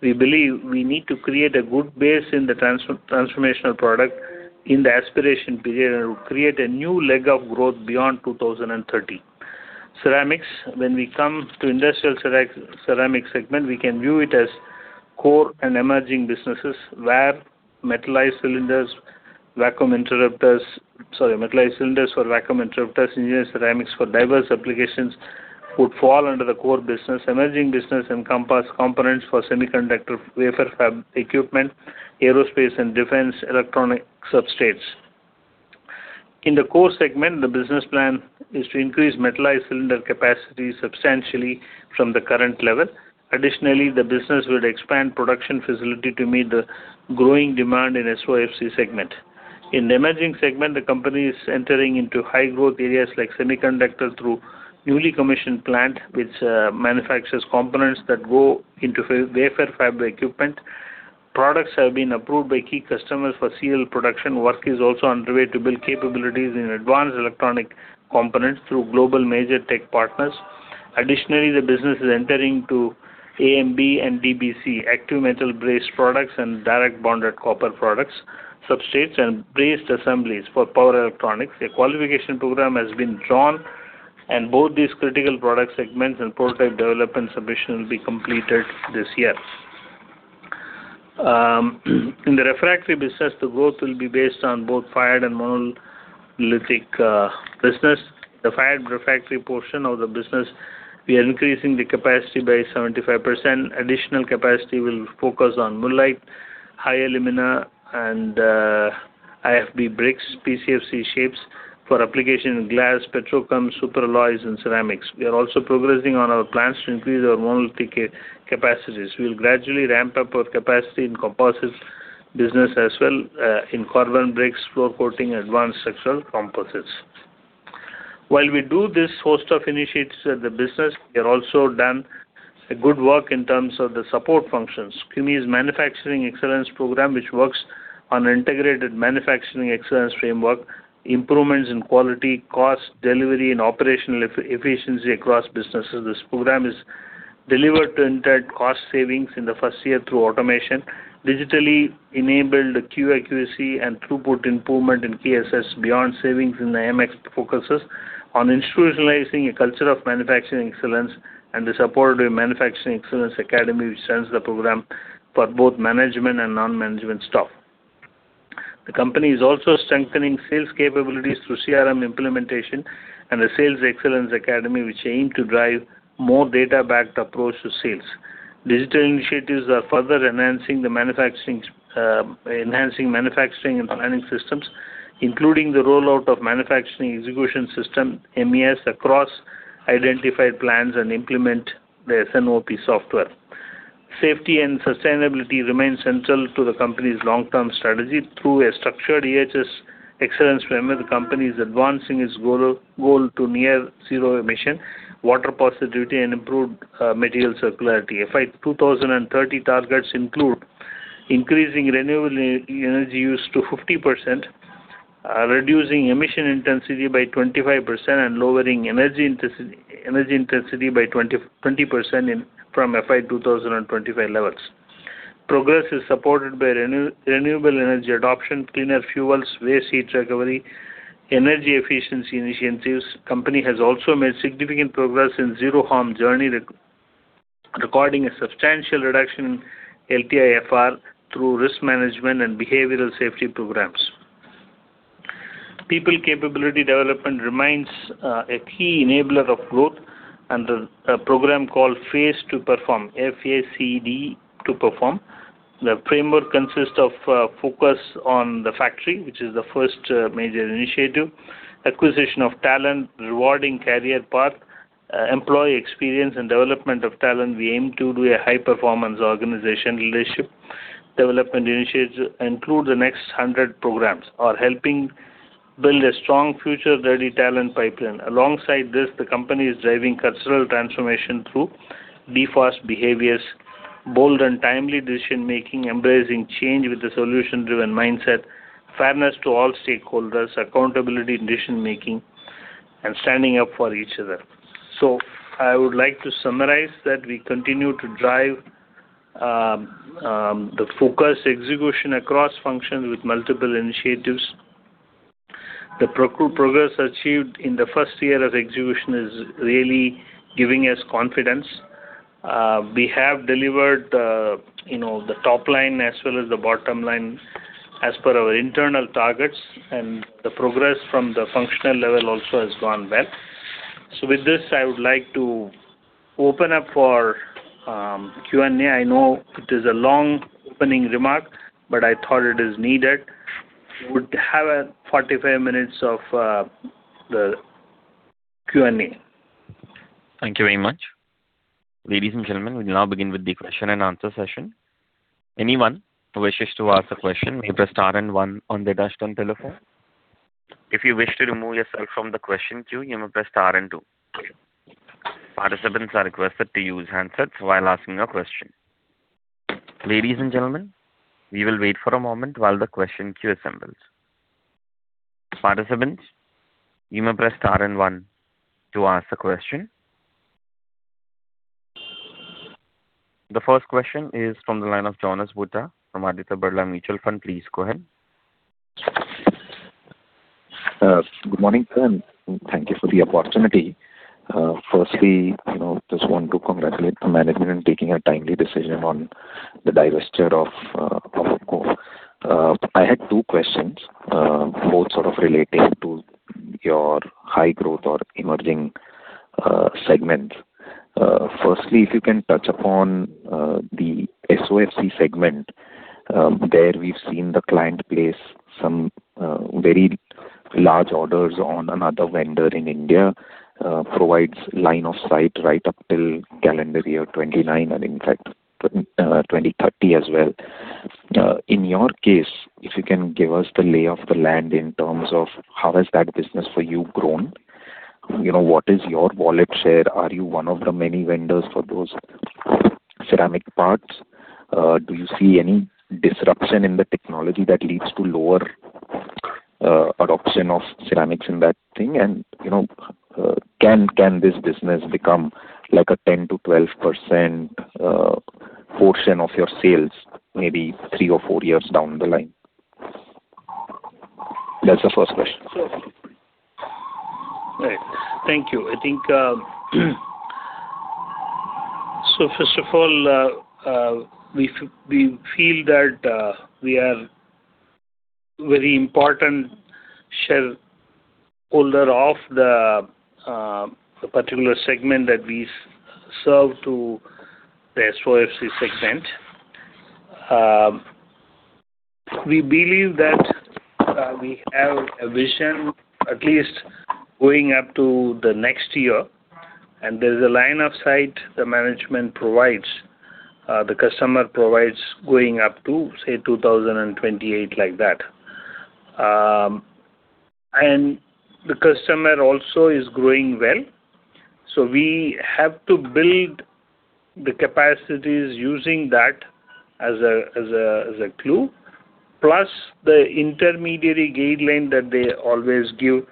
We believe we need to create a good base in the transformational product in the Aspiration period and create a new leg of growth beyond 2030. Ceramics. When we come to industrial ceramic segment, we can view it as core and emerging businesses, where metallized cylinders for vacuum interrupters, engineered ceramics for diverse applications would fall under the core business. Emerging business encompass components for semiconductor wafer fab equipment, aerospace and defense electronic substrates. In the core segment, the business plan is to increase metallized cylinder capacity substantially from the current level. Additionally, the business would expand production facility to meet the growing demand in SOFC segment. In the emerging segment, the company is entering into high growth areas like semiconductor through newly commissioned plant, which manufactures components that go into wafer fab equipment. Products have been approved by key customers for serial production. Work is also underway to build capabilities in advanced electronic components through global major tech partners. Additionally, the business is entering into AMB and DBC, active metal brazed products and direct bonded copper products, substrates and based assemblies for power electronics. A qualification program has been drawn, both these critical product segments and prototype development submission will be completed this year. In the refractory business, the growth will be based on both fired and monolithic business. The fired refractory portion of the business, we are increasing the capacity by 75%. Additional capacity will focus on mullite, high alumina and IFB bricks, PCFC shapes for application in glass, petrochem, superalloys and ceramics. We are also progressing on our plans to increase our monolithic capacities. We'll gradually ramp up our capacity in composites business as well, in carbon bricks, floor coating, advanced structural composites. While we do this host of initiatives at the business, we have also done a good work in terms of the support functions. CUMI's Manufacturing Excellence Program, which works on integrated manufacturing excellence framework, improvements in quality, cost, delivery and operational efficiency across businesses. This program is delivered to entire cost savings in the first year through automation, digitally enabled queue accuracy and throughput improvement in key assets. Beyond savings in the MX focuses on institutionalizing a culture of Manufacturing Excellence and the support of the Manufacturing Excellence Academy, which runs the program for both management and non-management staff. The company is also strengthening sales capabilities through CRM implementation and the Sales Excellence Academy, which aim to drive more data-backed approach to sales. Digital initiatives are further enhancing manufacturing and planning systems, including the rollout of manufacturing execution system, MES, across identified plants and implement the S&OP software. Safety and sustainability remain central to the company's long-term strategy through a structured EHS excellence framework. The company is advancing its goal to near zero emission, water positivity and improved material circularity. FY 2030 targets include increasing renewable energy use to 50%, reducing emission intensity by 25% and lowering energy intensity by 20% from FY 2025 levels. Progress is supported by renewable energy adoption, cleaner fuels, waste heat recovery, energy efficiency initiatives. Company has also made significant progress in zero harm journey recording a substantial reduction in LTIFR through risk management and behavioral safety programs. People capability development remains a key enabler of growth and the program called FACED to Perform. The framework consists of focus on the factory, which is the first major initiative. Acquisition of talent, rewarding career path, employee experience and development of talent. We aim to do a high performance organization leadership. Development initiatives include the Next 100 programs are helping build a strong future-ready talent pipeline. Alongside this, the company is driving cultural transformation through Be Fast behaviors, bold and timely decision-making, embracing change with a solution-driven mindset, fairness to all stakeholders, accountability in decision-making, and standing up for each other. I would like to summarize that we continue to drive the focus execution across functions with multiple initiatives. The progress achieved in the first year of execution is really giving us confidence. We have delivered, you know, the top line as well as the bottom line as per our internal targets, and the progress from the functional level also has gone well. With this, I would like to open up for Q&A. I know it is a long opening remark, but I thought it is needed. We would have a 45 minutes of the Q&A. Thank you very much. Ladies and gentlemen, we now begin with the question and answer session. Anyone who wishes to ask a question may press star one on their touch-tone telephone. If you wish to remove yourself from the question queue, you may press star two. Participants are requested to use handsets while asking a question. Ladies and gentlemen, we will wait for a moment while the question queue assembles. Participants, you may press star one to ask a question. The first question is from the line of Jonas Bhutta from Aditya Birla Sun Life Mutual Fund. Please go ahead. Good morning, sir, and thank you for the opportunity. Firstly, you know, just want to congratulate the management in taking a timely decision on the divesture of course. I had two questions, both sort of relating to your high growth or emerging segments. Firstly, if you can touch upon the SOFC segment, there we've seen the client place some very large orders on another vendor in India, provides line of sight right up till calendar year 2029 and in fact, 2030 as well. In your case, if you can give us the lay of the land in terms of how has that business for you grown? You know, what is your wallet share? Are you one of the many vendors for those ceramic parts? Do you see any disruption in the technology that leads to lower adoption of ceramics in that thing? You know, can this business become like a 10%-12% portion of your sales maybe three or four years down the line? That's the first question. Right. Thank you. I think, first of all, we feel that we are very important shareholder of the particular segment that we serve to the SOFC segment. We believe that we have a vision at least going up to the next year, and there's a line of sight the management provides, the customer provides going up to, say, 2028 like that. The customer also is growing well. We have to build the capacities using that as a, as a, as a clue, plus the intermediary guideline that they always give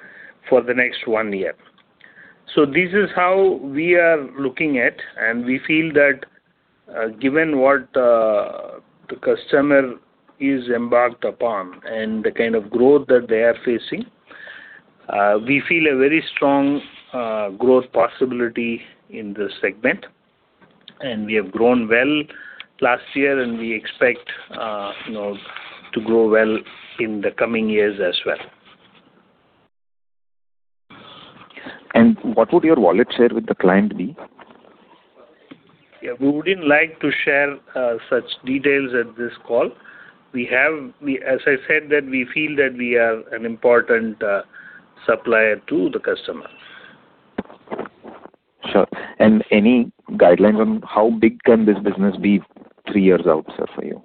for the next one year. This is how we are looking at, and we feel that, given what the customer is embarked upon and the kind of growth that they are facing, we feel a very strong growth possibility in this segment. We have grown well last year, and we expect, you know, to grow well in the coming years as well. What would your wallet share with the client be? Yeah. We wouldn't like to share such details at this call. As I said that we feel that we are an important supplier to the customer. Sure. Any guidelines on how big can this business be three years out, sir, for you?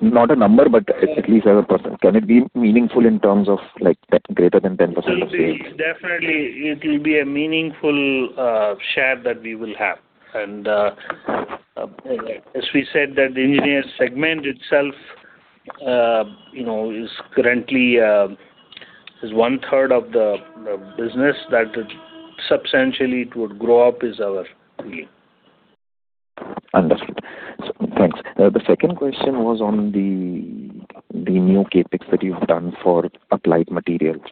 Not a number, but at least as a percent, can it be meaningful in terms of, like, 10, greater than 10% of sales? Definitely it will be a meaningful share that we will have. As we said that the engineering segment itself, you know, is currently, is one-third of the business. That substantially it would grow up is our feeling. Understood. Thanks. The second question was on the new CapEx that you've done for Applied Materials.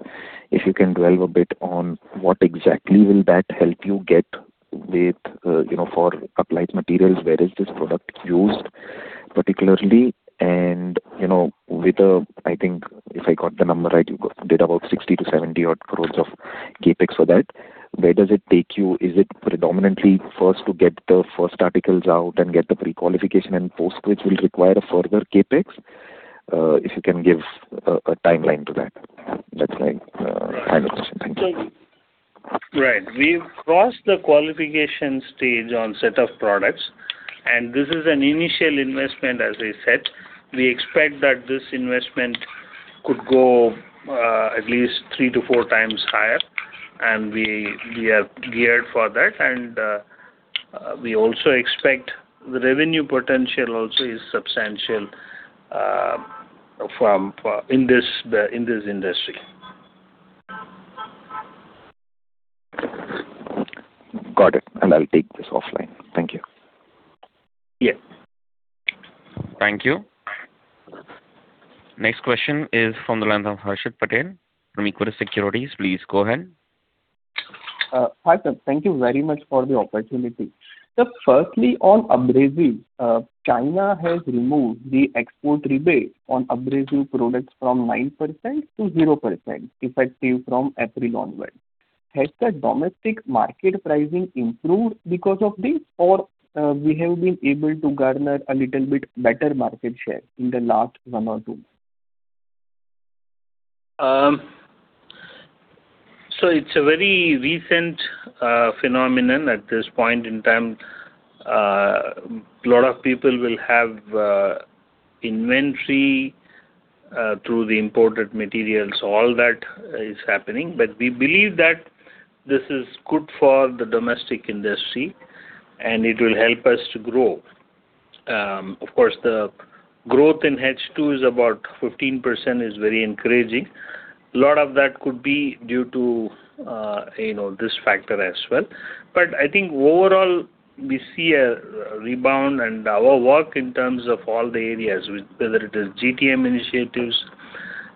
If you can dwell a bit on what exactly will that help you get with, you know, for Applied Materials, where is this product used particularly? You know, with the, I think if I got the number right, did about 60 crore-70 crore of CapEx for that. Where does it take you? Is it predominantly first to get the first articles out and get the prequalification and post which will require a further CapEx? If you can give a timeline to that. That's my final question. Thank you. Right. We've crossed the qualification stage on set of products, and this is an initial investment, as I said. We expect that this investment could go at least three to four times higher, and we are geared for that. We also expect the revenue potential also is substantial from in this industry. Got it. I'll take this offline. Thank you. Yeah. Thank you. Next question is from the line of Harshit Patel from Equirus Securities. Please go ahead. Hi, sir. Thank you very much for the opportunity. Sir, firstly, on abrasives, China has removed the export rebate on abrasive products from 9% to 0%, effective from April onwards. Has the domestic market pricing improved because of this? We have been able to garner a little bit better market share in the last one or two? It's a very recent phenomenon at this point in time. A lot of people will have inventory through the imported materials. All that is happening. We believe that this is good for the domestic industry, and it will help us to grow. Of course, the growth in H2 is about 15% is very encouraging. A lot of that could be due to this factor as well. I think overall, we see a rebound and our work in terms of all the areas, whether it is GTM initiatives,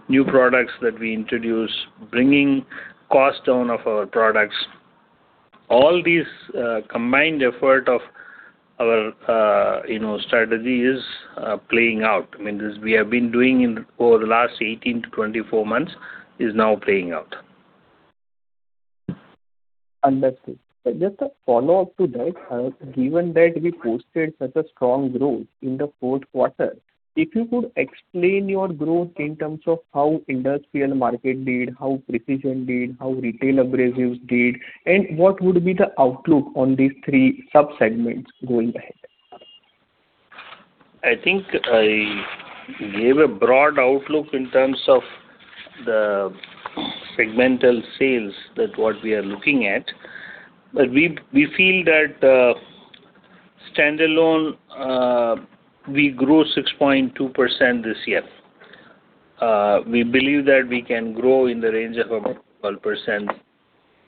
new products that we introduce, bringing cost down of our products, all these combined effort of our strategy is playing out. This we have been doing in over the last 18 to 24 months is now playing out. Understood. Just a follow-up to that. Given that we posted such a strong growth in the fourth quarter, if you could explain your growth in terms of how industrial market did, how precision did, how retail abrasives did, and what would be the outlook on these three sub-segments going ahead? I think I gave a broad outlook in terms of the segmental sales that what we are looking at. We feel that standalone, we grew 6.2% this year. We believe that we can grow in the range of about 12%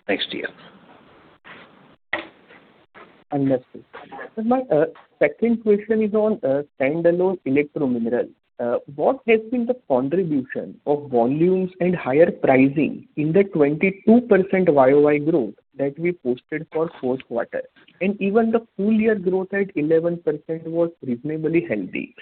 next year. Understood. My second question is on standalone electro minerals. What has been the contribution of volumes and higher pricing in the 22% YOY growth that we posted for fourth quarter? Even the full year growth at 11% was reasonably healthy.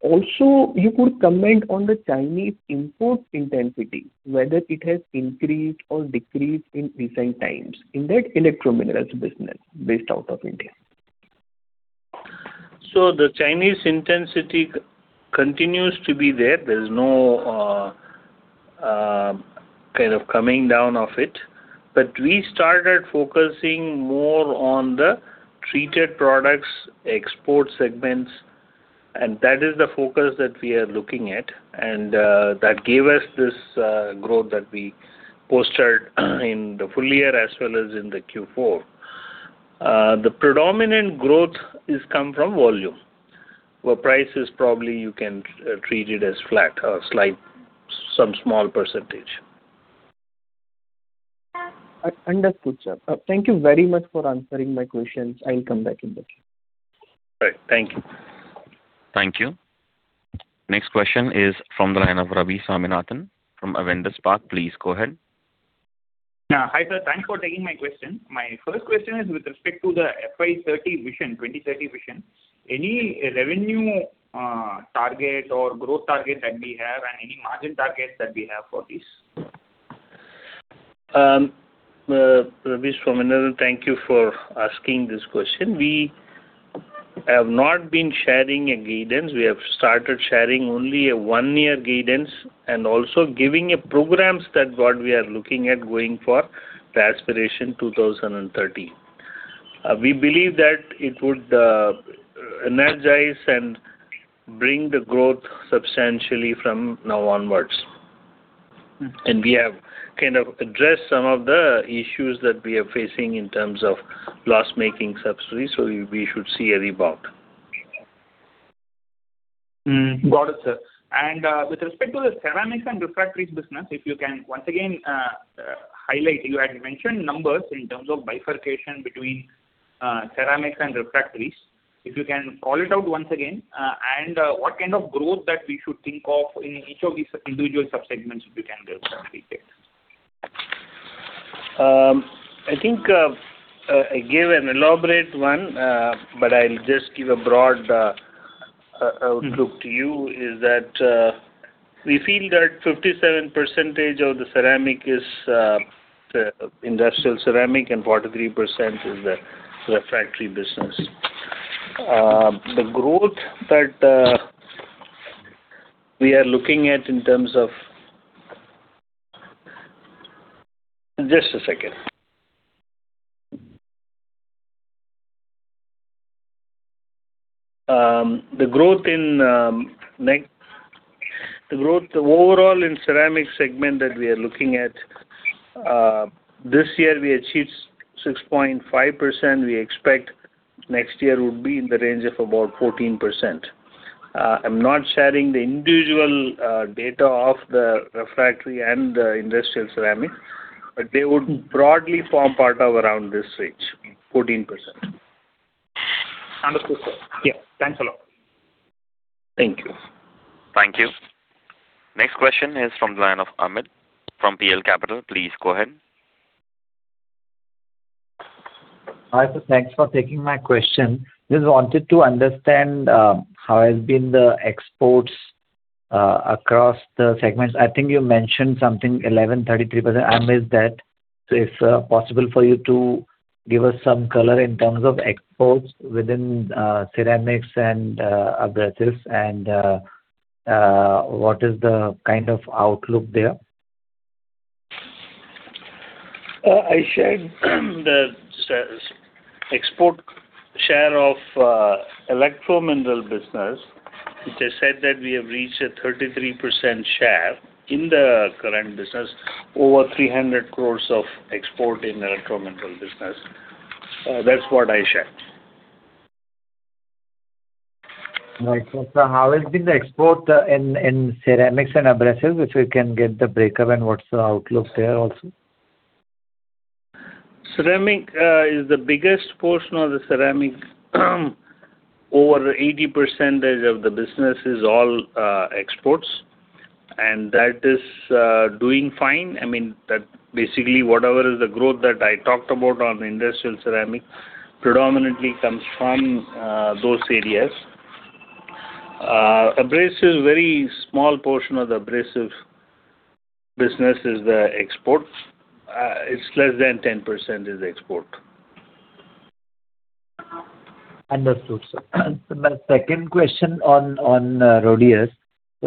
Also, you could comment on the Chinese import intensity, whether it has increased or decreased in recent times in that electro minerals business based out of India. The Chinese intensity continues to be there. There's no kind of coming down of it. We started focusing more on the treated products export segments, and that is the focus that we are looking at. That gave us this growth that we posted in the full year as well as in the Q4. The predominant growth has come from volume, where price is probably you can treat it as flat or slight, some small percentage. Understood, sir. Thank you very much for answering my questions. I'll come back in the queue. Right. Thank you. Thank you. Next question is from the line of Ravi Swaminathan from Avendus Spark. Please go ahead. Hi, sir. Thanks for taking my question. My first question is with respect to the FY 2030 vision, 2030 vision. Any revenue target or growth target that we have and any margin target that we have for this? Ravi Swaminathan, thank you for asking this question. We have not been sharing a guidance. We have started sharing only a one-year guidance and also giving a programs that what we are looking at going for the Aspiration 2030. We believe that it would energize and bring the growth substantially from now onwards. We have kind of addressed some of the issues that we are facing in terms of loss-making subsidies, so we should see a rebound. Got it, sir. With respect to the ceramics and refractories business, if you can once again highlight. You had mentioned numbers in terms of bifurcation between ceramics and refractories. If you can call it out once again, and what kind of growth that we should think of in each of these individual subsegments, if you can give some detail. I think, I gave an elaborate one, but I'll just give a broad outlook to you, is that we feel that 57% of the ceramic is industrial ceramic and 43% is the refractory business. The growth that we are looking at in terms of Just a second. The growth overall in ceramic segment that we are looking at, this year we achieved 6.5%. We expect next year will be in the range of about 14%. I'm not sharing the individual data of the refractory and the industrial ceramic, but they would broadly form part of around this range, 14%. Understood, sir. Yeah. Thanks a lot. Thank you. Thank you. Next question is from the line of Amit from PL Capital. Please go ahead. Hi, sir. Thanks for taking my question. Just wanted to understand how has been the exports across the segments. I think you mentioned something, 11.33%. I missed that. If possible for you to give us some color in terms of exports within ceramics and abrasives and what is the kind of outlook there? I shared the export share of electro mineral business, which I said that we have reached a 33% share in the current business, over 300 crores of export in electro mineral business. That's what I shared. Right. sir, how has been the export in ceramics and abrasives? If we can get the breakup and what's the outlook there also. Ceramic is the biggest portion of the ceramic. Over 80% of the business is all exports, that is doing fine. I mean, that basically whatever is the growth that I talked about on industrial ceramic predominantly comes from those areas. Abrasive, very small portion of the abrasive business is the export. It's less than 10% is export. Understood, sir. My second question on RHODIUS.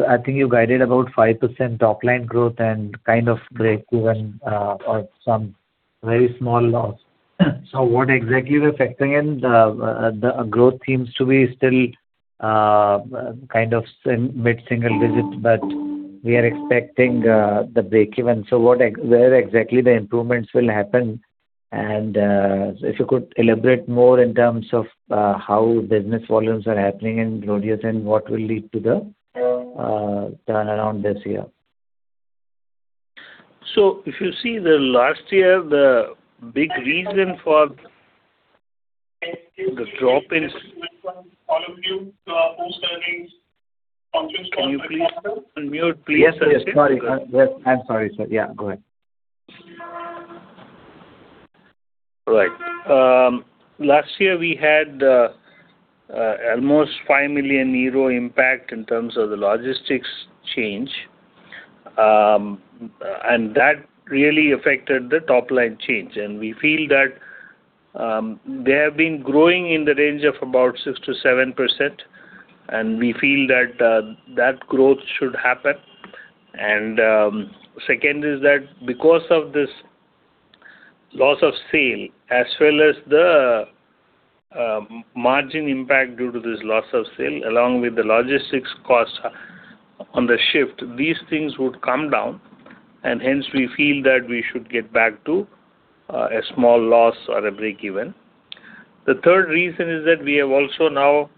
I think you guided about 5% top line growth and kind of breakeven or some very small loss. What exactly is affecting it? The growth seems to be still kind of in mid-single digits, but we are expecting the breakeven. Where exactly the improvements will happen? If you could elaborate more in terms of how business volumes are happening in RHODIUS and what will lead to the turnaround this year. If you see the last year, the big reason for the drop. Welcome all of you to our post-earnings conference call. Can you please unmute, please, sir? Yes. Yes. Sorry. Yes. I'm sorry, sir. Yeah, go ahead. Right. Last year we had almost 5 million euro impact in terms of the logistics change. That really affected the top line change. We feel that they have been growing in the range of about 6%-7%, and we feel that that growth should happen. Second is that because of this loss of sale as well as the margin impact due to this loss of sale, along with the logistics costs on the shift, these things would come down, and hence we feel that we should get back to a small loss or a breakeven. The third reason is that we have also now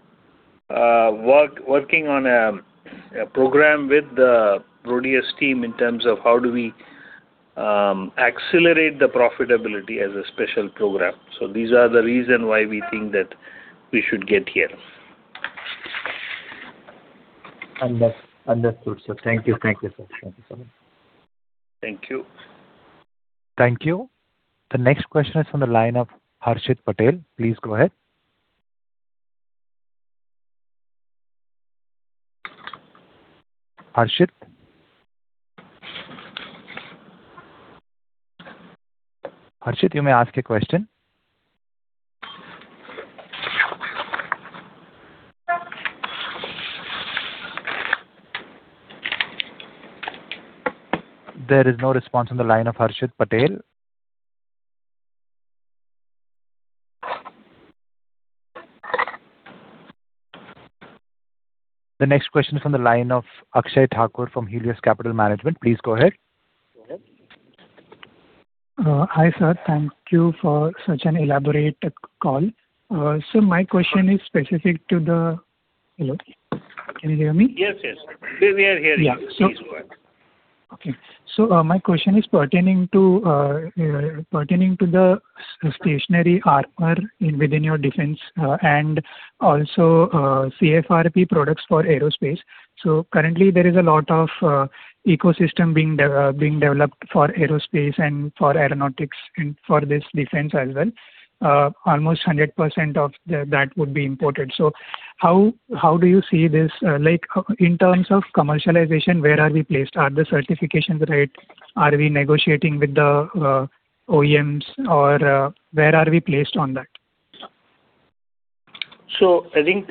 working on a program with the RHODIUS team in terms of how do we accelerate the profitability as a special program. These are the reason why we think that we should get here. Understood, sir. Thank you. Thank you, sir. Thank you. Thank you. The next question is from the line of Harshit Patel. Please go ahead. Harshit? Harshit, you may ask your question. There is no response on the line of Harshit Patel. The next question is from the line of Akshay Thakur from Helios Capital Management. Please go ahead. Hi, sir. Thank you for such an elaborate call. Hello, can you hear me? Yes, yes. We are hearing you. Yeah. Please go ahead. My question is pertaining to the stationary armor in within your defense, and also, CFRP products for aerospace. Currently there is a lot of ecosystem being developed for aerospace and for aeronautics and for this defense as well. Almost 100% of that would be imported. How do you see this, like in terms of commercialization, where are we placed? Are the certifications right? Are we negotiating with the OEMs or, where are we placed on that? I think,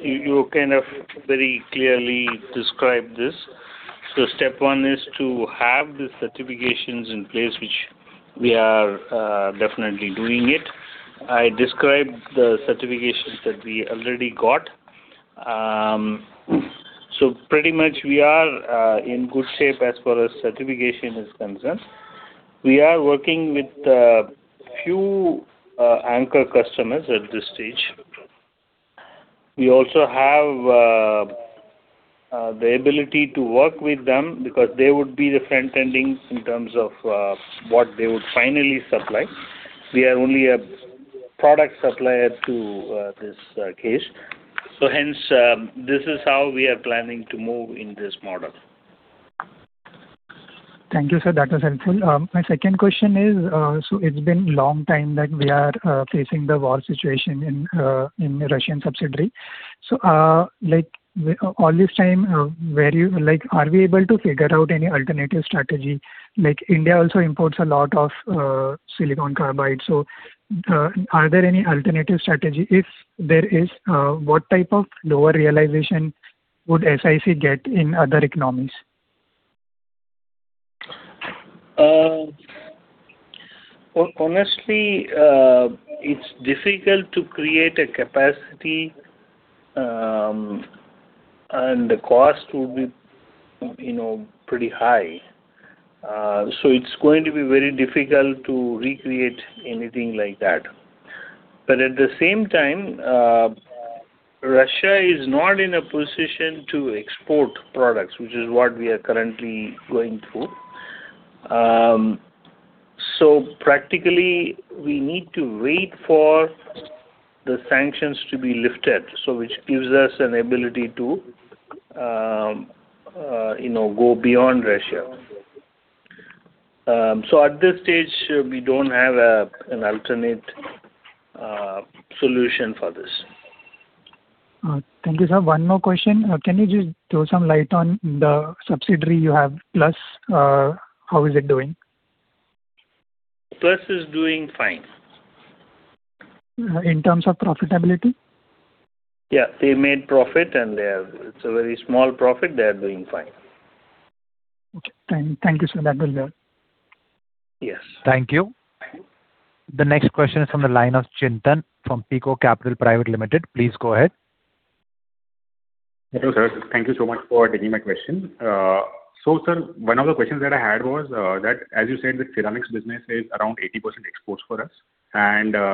you kind of very clearly described this. Step one is to have the certifications in place, which we are definitely doing it. I described the certifications that we already got. Pretty much we are in good shape as far as certification is concerned. We are working with a few anchor customers at this stage. We also have the ability to work with them because they would be the front-ending in terms of what they would finally supply. We are only a product supplier to this case. Hence, this is how we are planning to move in this model. Thank you, sir. That was helpful. My second question is, it's been long time that we are facing the war situation in the Russian subsidiary. Like all this time, like, are we able to figure out any alternative strategy? India also imports a lot of silicon carbide. Are there any alternative strategy? If there is, what type of lower realization would SiC get in other economies? Honestly, it's difficult to create a capacity, and the cost would be, you know, pretty high. It's going to be very difficult to recreate anything like that. At the same time, Russia is not in a position to export products, which is what we are currently going through. Practically we need to wait for the sanctions to be lifted, which gives us an ability to, you know, go beyond Russia. At this stage, we don't have an alternate solution for this. Thank you, sir. One more question. Can you just throw some light on the subsidiary you have, PLUSS? How is it doing? PLUSS is doing fine. In terms of profitability? Yeah. They made profit, and it's a very small profit. They are doing fine. Okay. Thank you, sir. That was all. Yes. Thank you. The next question is from the line of Chintan from PICO Capital Private Limited. Please go ahead. Hello, sir. Thank you so much for taking my question. Sir, one of the questions that I had was that as you said, the ceramics business is around 80% exports for us,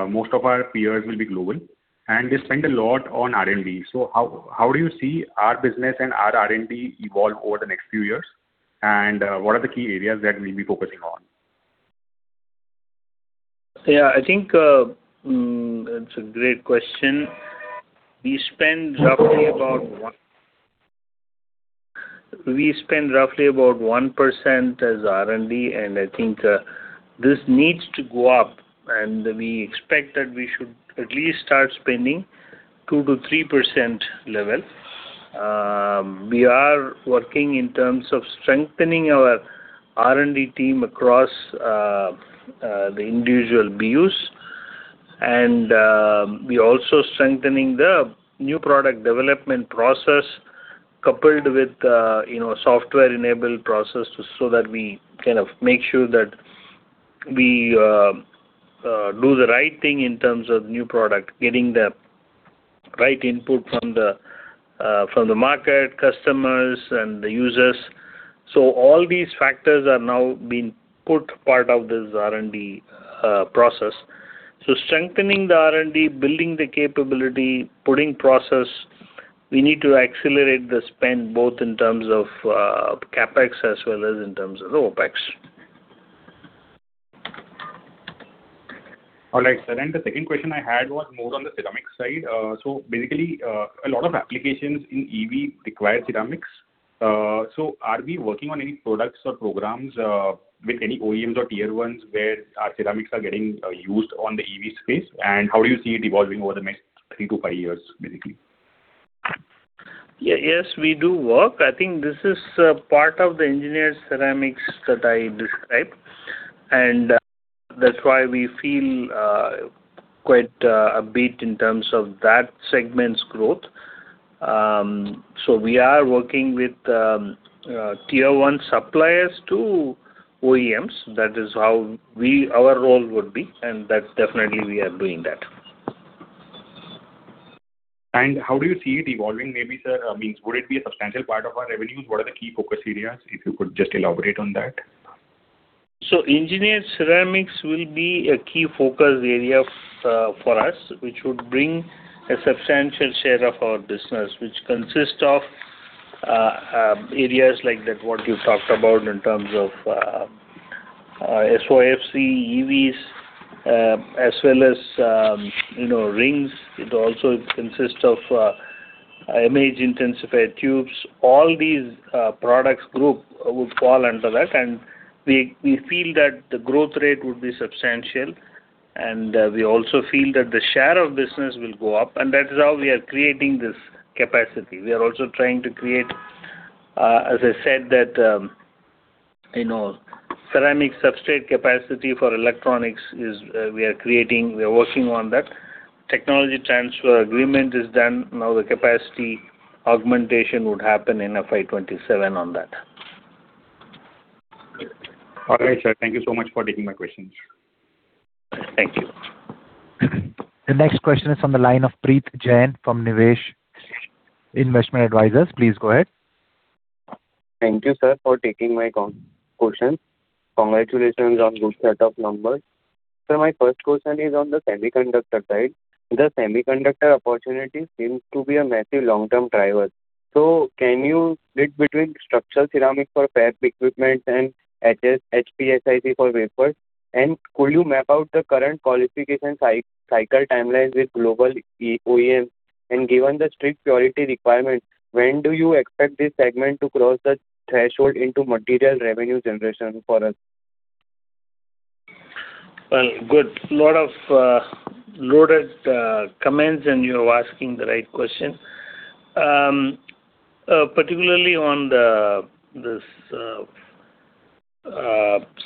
most of our peers will be global, and they spend a lot on R&D. How do you see our business and our R&D evolve over the next few years? What are the key areas that we'll be focusing on? Yeah, I think that's a great question. We spend roughly about 1% as R&D, and I think this needs to go up, and we expect that we should at least start spending 2%-3% level. We are working in terms of strengthening our R&D team across the individual BUs. We also strengthening the new product development process coupled with, you know, software-enabled process so that we kind of make sure that we do the right thing in terms of new product, getting the right input from the market, customers, and the users. All these factors are now being put part of this R&D process. Strengthening the R&D, building the capability, putting process, we need to accelerate the spend both in terms of CapEx as well as in terms of OpEx. All right, sir. The second question I had was more on the ceramic side. Basically, a lot of applications in EV require ceramics. Are we working on any products or programs with any OEMs or tier 1s where our ceramics are getting used on the EV space? How do you see it evolving over the next three to five years, basically? Yeah, yes, we do work. I think this is part of the engineered ceramics that I described, and that's why we feel quite upbeat in terms of that segment's growth. We are working with tier 1 suppliers to OEMs. That is how our role would be, and that definitely we are doing that. How do you see it evolving maybe, sir? I mean, would it be a substantial part of our revenues? What are the key focus areas? If you could just elaborate on that. Engineered ceramics will be a key focus area for us, which would bring a substantial share of our business, which consists of areas like that what you talked about in terms of SOFC, EVs, as well as, you know, rings. It also consists of image intensified tubes. All these products group would fall under that. We feel that the growth rate would be substantial, and we also feel that the share of business will go up. That is how we are creating this capacity. We are also trying to create, as I said that, you know, ceramic substrate capacity for electronics is we are creating. We are working on that. Technology transfer agreement is done. Now the capacity augmentation would happen in FY 2027 on that. All right, sir. Thank you so much for taking my questions. Thank you. The next question is on the line of Preet Jain from Niveshaay Investment Advisors. Please go ahead. Thank you, sir, for taking my question. Congratulations on good set of numbers. Sir, my first question is on the semiconductor side. The semiconductor opportunity seems to be a massive long-term driver. Can you split between structural ceramic for fab equipment and HPSiC for wafers? Could you map out the current qualification cycle timelines with global OEM? Given the strict purity requirements, when do you expect this segment to cross the threshold into material revenue generation for us? Well, good. Lot of loaded comments, and you are asking the right question. Particularly on this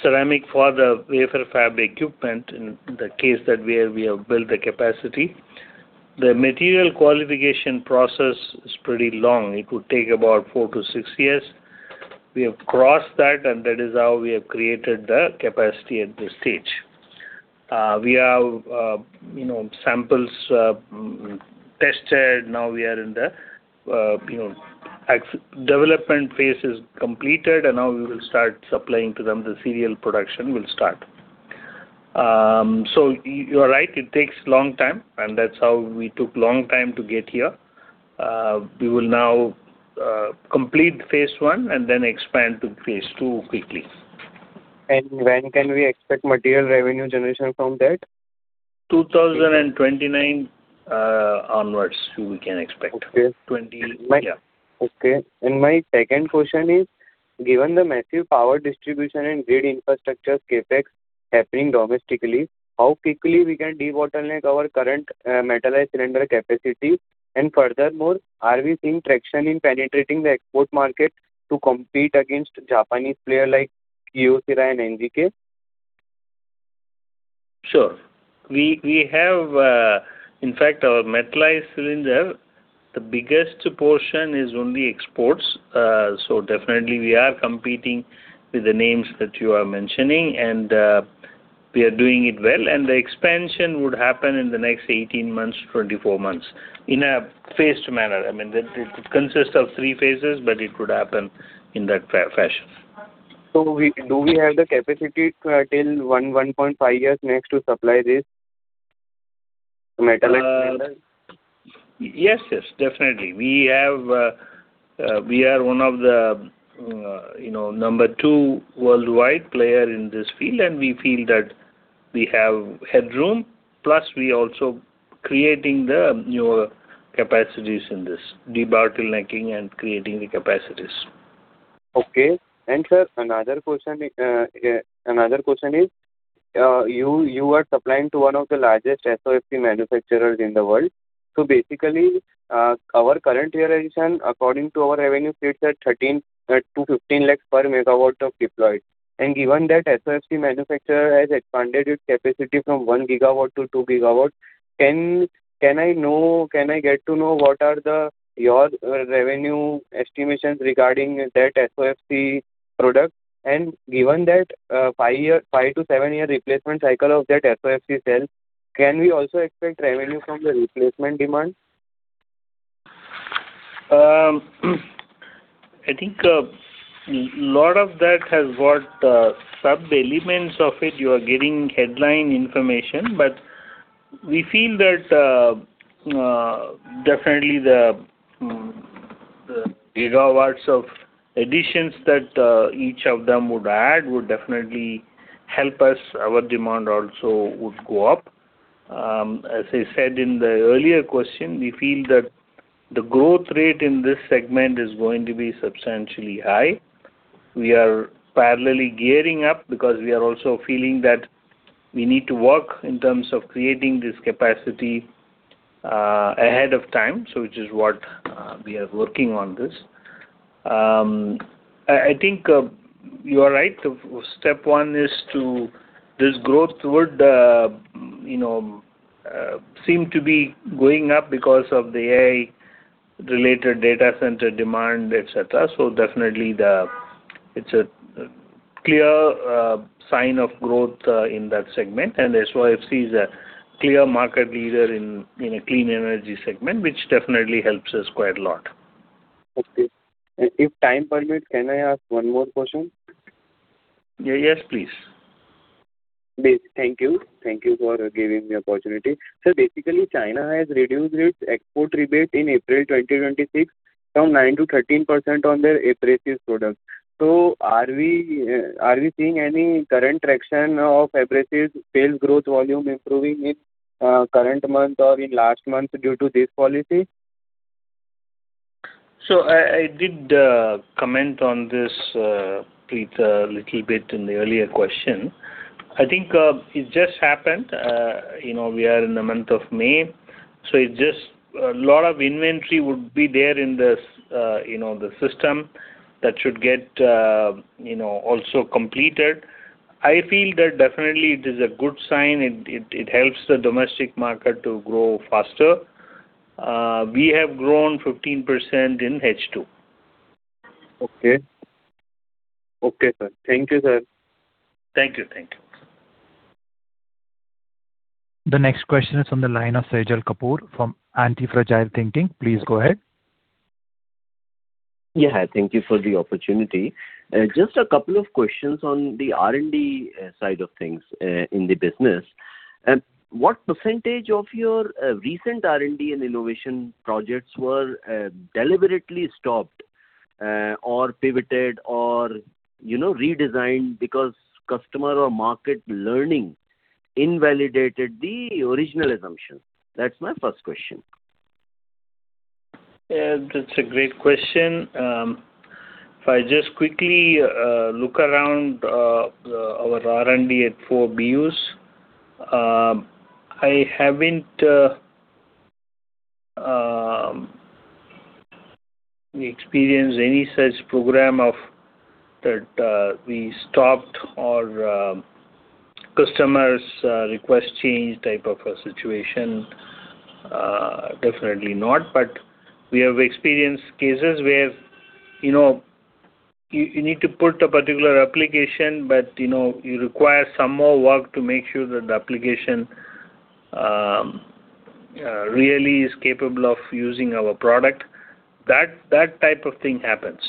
ceramic for the wafer fab equipment, in the case that we have, we have built the capacity. The material qualification process is pretty long. It could take about four to six years. We have crossed that, and that is how we have created the capacity at this stage. We have, you know, samples tested. Now we are in the, you know, development phase is completed, and now we will start supplying to them. The serial production will start. You are right, it takes long time, and that is how we took long time to get here. We will now complete phase I and then expand to phase II quickly. When can we expect material revenue generation from that? 2029 onwards we can expect. Okay. 20. Yeah. Okay. My second question is, given the massive power distribution and grid infrastructure CapEx happening domestically, how quickly we can debottleneck our current metalized cylinder capacity? Furthermore, are we seeing traction in penetrating the export market to compete against Japanese player like Kyocera and NGK? Sure. We have In fact, our metalized cylinder, the biggest portion is only exports. Definitely we are competing with the names that you are mentioning, and we are doing it well. The expansion would happen in the next 18 months to 24 months in a phased manner. I mean, it consists of three phases, but it would happen in that fashion. Do we have the capacity till 1.5 years next to supply this metalized cylinder? Yes, definitely. We have, we are one of the, you know, number 2 worldwide player in this field, and we feel that we have headroom. Plus we also creating the newer capacities in this, debottlenecking and creating the capacities. Okay. Sir, another question is, you are supplying to one of the largest SOFC manufacturers in the world. Basically, our current realization according to our revenue states at 13 lakhs-15 lakhs per megawatt of deployed. Given that SOFC manufacturer has expanded its capacity from 1 GW to 2 GW, can I know, can I get to know what are your revenue estimations regarding that SOFC product? Given that five-year, five to seven year replacement cycle of that SOFC cell, can we also expect revenue from the replacement demand? I think a lot of that has got sub-elements of it. You are getting headline information. We feel that definitely the gigawatt of additions that each of them would add would definitely help us. Our demand also would go up. As I said in the earlier question, we feel that the growth rate in this segment is going to be substantially high. We are parallelly gearing up because we are also feeling that we need to work in terms of creating this capacity, ahead of time, so which is what, we are working on this. I think you are right. This growth toward the, you know, seem to be going up because of the AI related data center demand, et cetera. Definitely it's a clear sign of growth in that segment. SOFC is a clear market leader in a clean energy segment, which definitely helps us quite a lot. Okay. If time permits, can I ask one more question? Yes, please. Thank you. Thank you for giving me opportunity. Sir, basically China has reduced its export rebate in April 2026 from 9%-13% on their abrasives products. Are we seeing any current traction of abrasives sales growth volume improving in current month or in last month due to this policy? I did comment on this, Preet, little bit in the earlier question. I think it just happened, you know, we are in the month of May, so a lot of inventory would be there in this, you know, the system that should get, you know, also completed. I feel that definitely it is a good sign. It helps the domestic market to grow faster. We have grown 15% in H2. Okay. Okay, sir. Thank you, sir. Thank you. Thank you. The next question is on the line of Sajal Kapoor from Antifragile Thinking. Please go ahead. Yeah. Thank you for the opportunity. Just a couple of questions on the R&D side of things in the business. What percentage of your recent R&D and innovation projects were deliberately stopped or pivoted or, you know, redesigned because customer or market learning invalidated the original assumption? That's my first question. Yeah. That's a great question. If I just quickly look around our R&D at four BUs, I haven't experienced any such program of that we stopped or customers request change type of a situation. Definitely not. We have experienced cases where, you know, you need to put a particular application, but, you know, you require some more work to make sure that the application really is capable of using our product. That type of thing happens.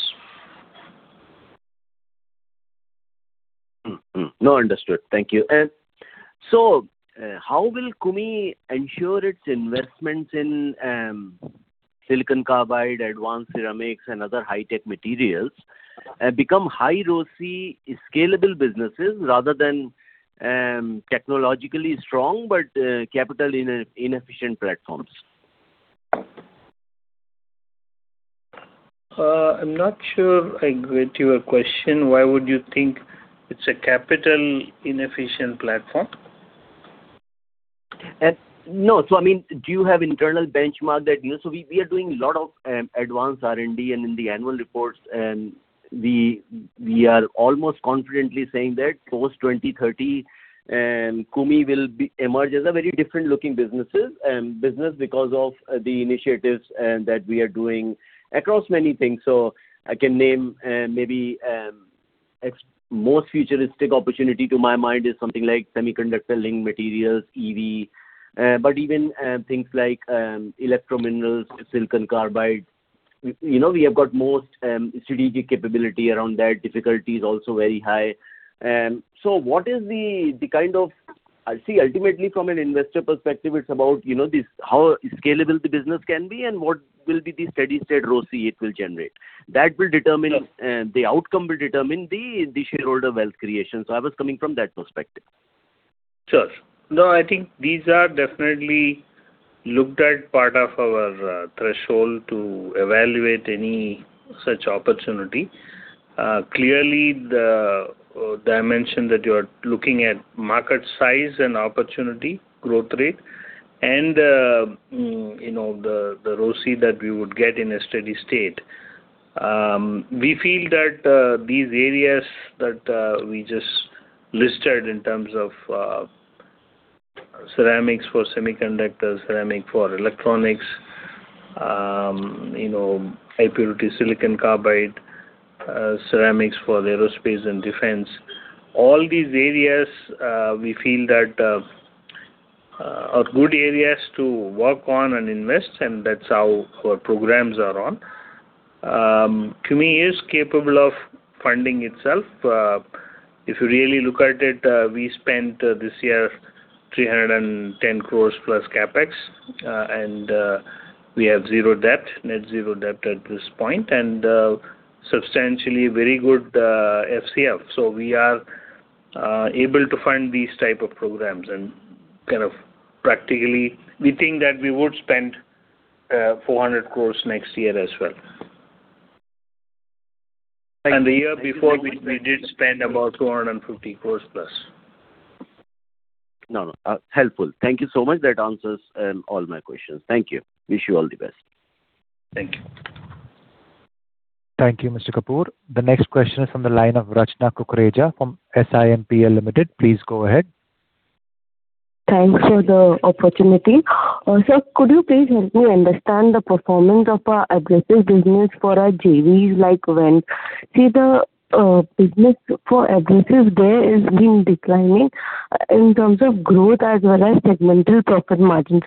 No, understood. Thank you. How will CUMI ensure its investments in silicon carbide, advanced ceramics and other high-tech materials become high ROCE scalable businesses rather than technologically strong but capital inefficient platforms? I'm not sure I get your question. Why would you think it's a capital inefficient platform? No. I mean, do you have internal benchmark that, you know We are doing a lot of advanced R&D and in the annual reports, we are almost confidently saying that post 2030, CUMI will emerge as a very different looking businesses, business because of the initiatives that we are doing across many things. I can name, maybe, most futuristic opportunity to my mind is something like semiconductor link materials, EV, but even things like electrominerals, silicon carbide. You know, we have got most strategic capability around that. Difficulty is also very high. What is the, ultimately from an investor perspective, it's about, you know, this, how scalable the business can be and what will be the steady state ROCE it will generate. That will determine- Yeah. The outcome will determine the shareholder wealth creation. I was coming from that perspective. Sure. No, I think these are definitely looked at part of our threshold to evaluate any such opportunity. Clearly the dimension that you are looking at market size and opportunity growth rate and, you know, the ROCE that we would get in a steady state. We feel that these areas that we just listed in terms of ceramics for semiconductors, ceramic for electronics, you know, high purity silicon carbide, ceramics for the aerospace and defense, all these areas, we feel that are good areas to work on and invest, and that's how our programs are on. CUMI is capable of funding itself. If you really look at it, we spent this year 310 crores plus CapEx, and we have 0 debt, net 0 debt at this point, and substantially very good FCF. We are able to fund these type of programs. Kind of practically, we think that we would spend 400 crores next year as well. The year before, we did spend about 250 crores plus. No, no. Helpful. Thank you so much. That answers all my questions. Thank you. Wish you all the best. Thank you. Thank you, Mr. Kapoor. The next question is from the line of Rachna Kukreja from SIMPL Limited. Please go ahead. Thanks for the opportunity. Sir, could you please help me understand the performance of our abrasives business for our JVs, in terms of growth as well as segmental profit margins.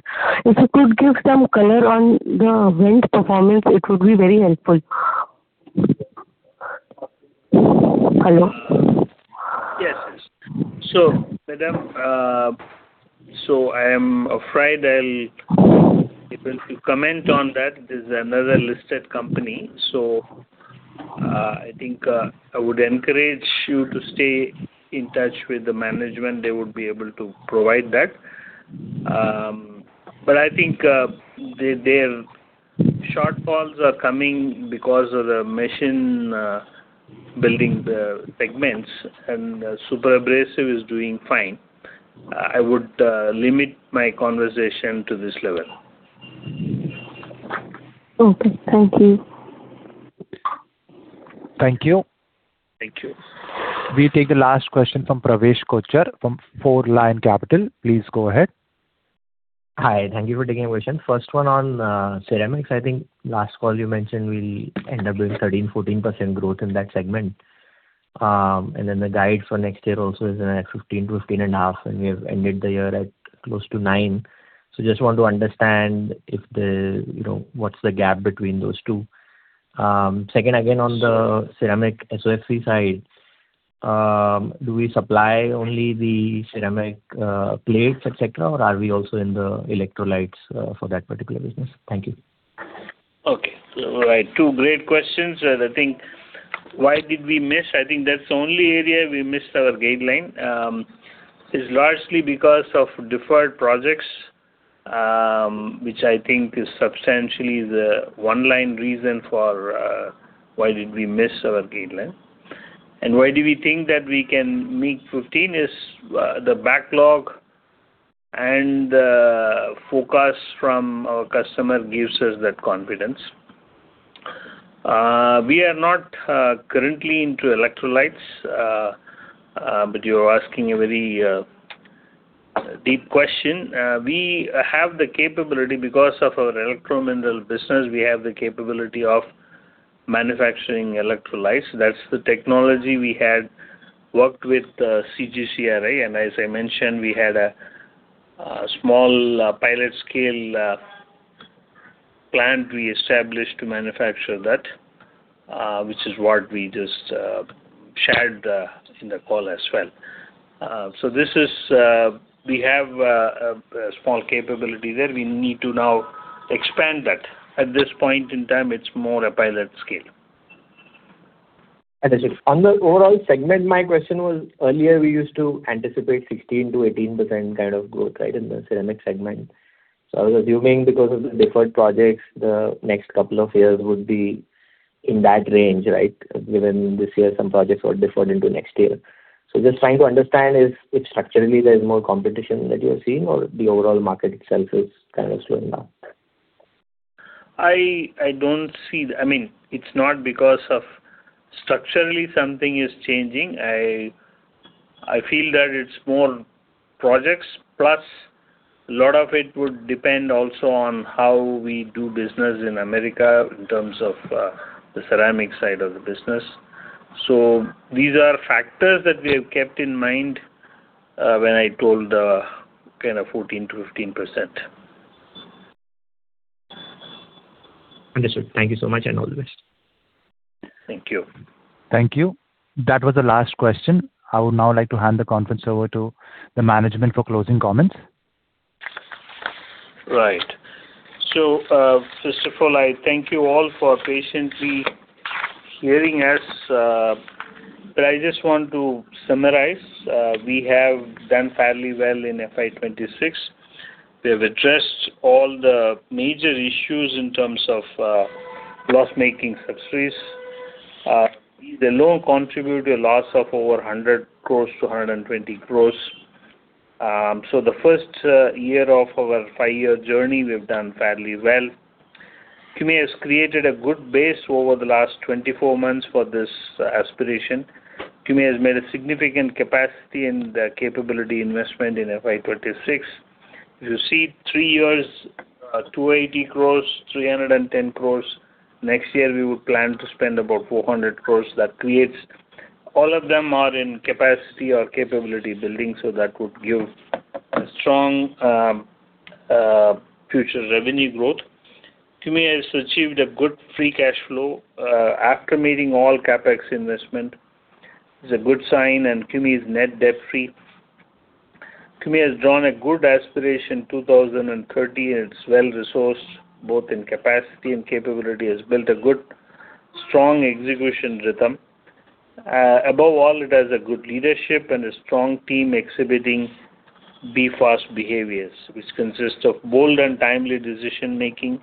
If you could give some color on the JV performance, it would be very helpful. Hello? Yes. So madam, I am afraid I'll be able to comment on that. It is another listed company. I think I would encourage you to stay in touch with the management. They would be able to provide that. But I think their shortfalls are coming because of the machine, building the segments, and SuperAbrasive is doing fine. I would limit my conversation to this level. Okay. Thank you. Thank you. Thank you. We take the last question from Pravesh Kochar from FourLion Capital. Please go ahead. Hi. Thank you for taking the question. First one on ceramics. I think last call you mentioned we'll end up with 13%-14% growth in that segment. Then the guide for next year also is at 15%, 15.5%, and we have ended the year at close to 9%. Just want to understand if the, you know, what's the gap between those two. Second, again on the ceramic SOFC side, do we supply only the ceramic plates, et cetera, or are we also in the electrolytes for that particular business? Thank you. Okay. All right. Two great questions. I think why did we miss? I think that's the only area we missed our guideline. It's largely because of deferred projects, which I think is substantially the one line reason for why did we miss our guideline. Why do we think that we can meet 15 is the backlog and focus from our customer gives us that confidence. We are not currently into electrolytes, but you're asking a very deep question. We have the capability because of our electro mineral business. We have the capability of manufacturing electrolytes. That's the technology we had worked with CGCRI. As I mentioned, we had a small pilot scale plant we established to manufacture that, which is what we just shared in the call as well. We have a small capability there. We need to now expand that. At this point in time, it's more a pilot scale. Understood. On the overall segment, my question was earlier we used to anticipate 16%-18% kind of growth, right, in the ceramic segment. I was assuming because of the deferred projects, the next two years would be in that range, right? Given this year some projects were deferred into next year. Just trying to understand if structurally there's more competition that you're seeing or the overall market itself is kind of slowing down. I don't see. I mean, it's not because of structurally something is changing. I feel that it's more projects, plus a lot of it would depend also on how we do business in America in terms of the ceramic side of the business. These are factors that we have kept in mind when I told the kind of 14%-15%. Understood. Thank you so much, and all the best. Thank you. Thank you. That was the last question. I would now like to hand the conference over to the management for closing comments. Right. So, first of all, I thank you all for patiently hearing us. I just want to summarize. We have done fairly well in FY 2026. We have addressed all the major issues in terms of loss-making subsidiaries. They alone contributed a loss of over 100 crores to 120 crores. The first year of our five-year journey, we've done fairly well. CUMI has created a good base over the last 24 months for this aspiration. CUMI has made a significant capacity and capability investment in FY 2026. You see three years, 280 crores, 310 crores. Next year we would plan to spend about 400 crores. All of them are in capacity or capability building, that would give a strong future revenue growth. CUMI has achieved a good free cash flow, after meeting all CapEx investment. It's a good sign, and CUMI is net debt-free. CUMI has drawn a good Aspiration 2030, and it's well-resourced, both in capacity and capability. It's built a good, strong execution rhythm. Above all, it has a good leadership and a strong team exhibiting Be Fast behaviors, which consist of bold and timely decision-making,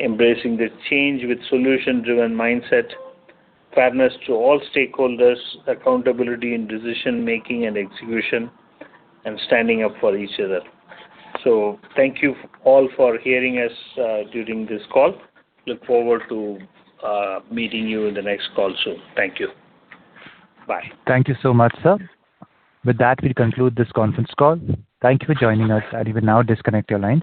embracing the change with solution-driven mindset, fairness to all stakeholders, accountability in decision-making and execution, and standing up for each other. Thank you all for hearing us, during this call. Look forward to meeting you in the next call soon. Thank you. Bye. Thank you so much, sir. With that, we conclude this conference call. Thank you for joining us. You will now disconnect your lines.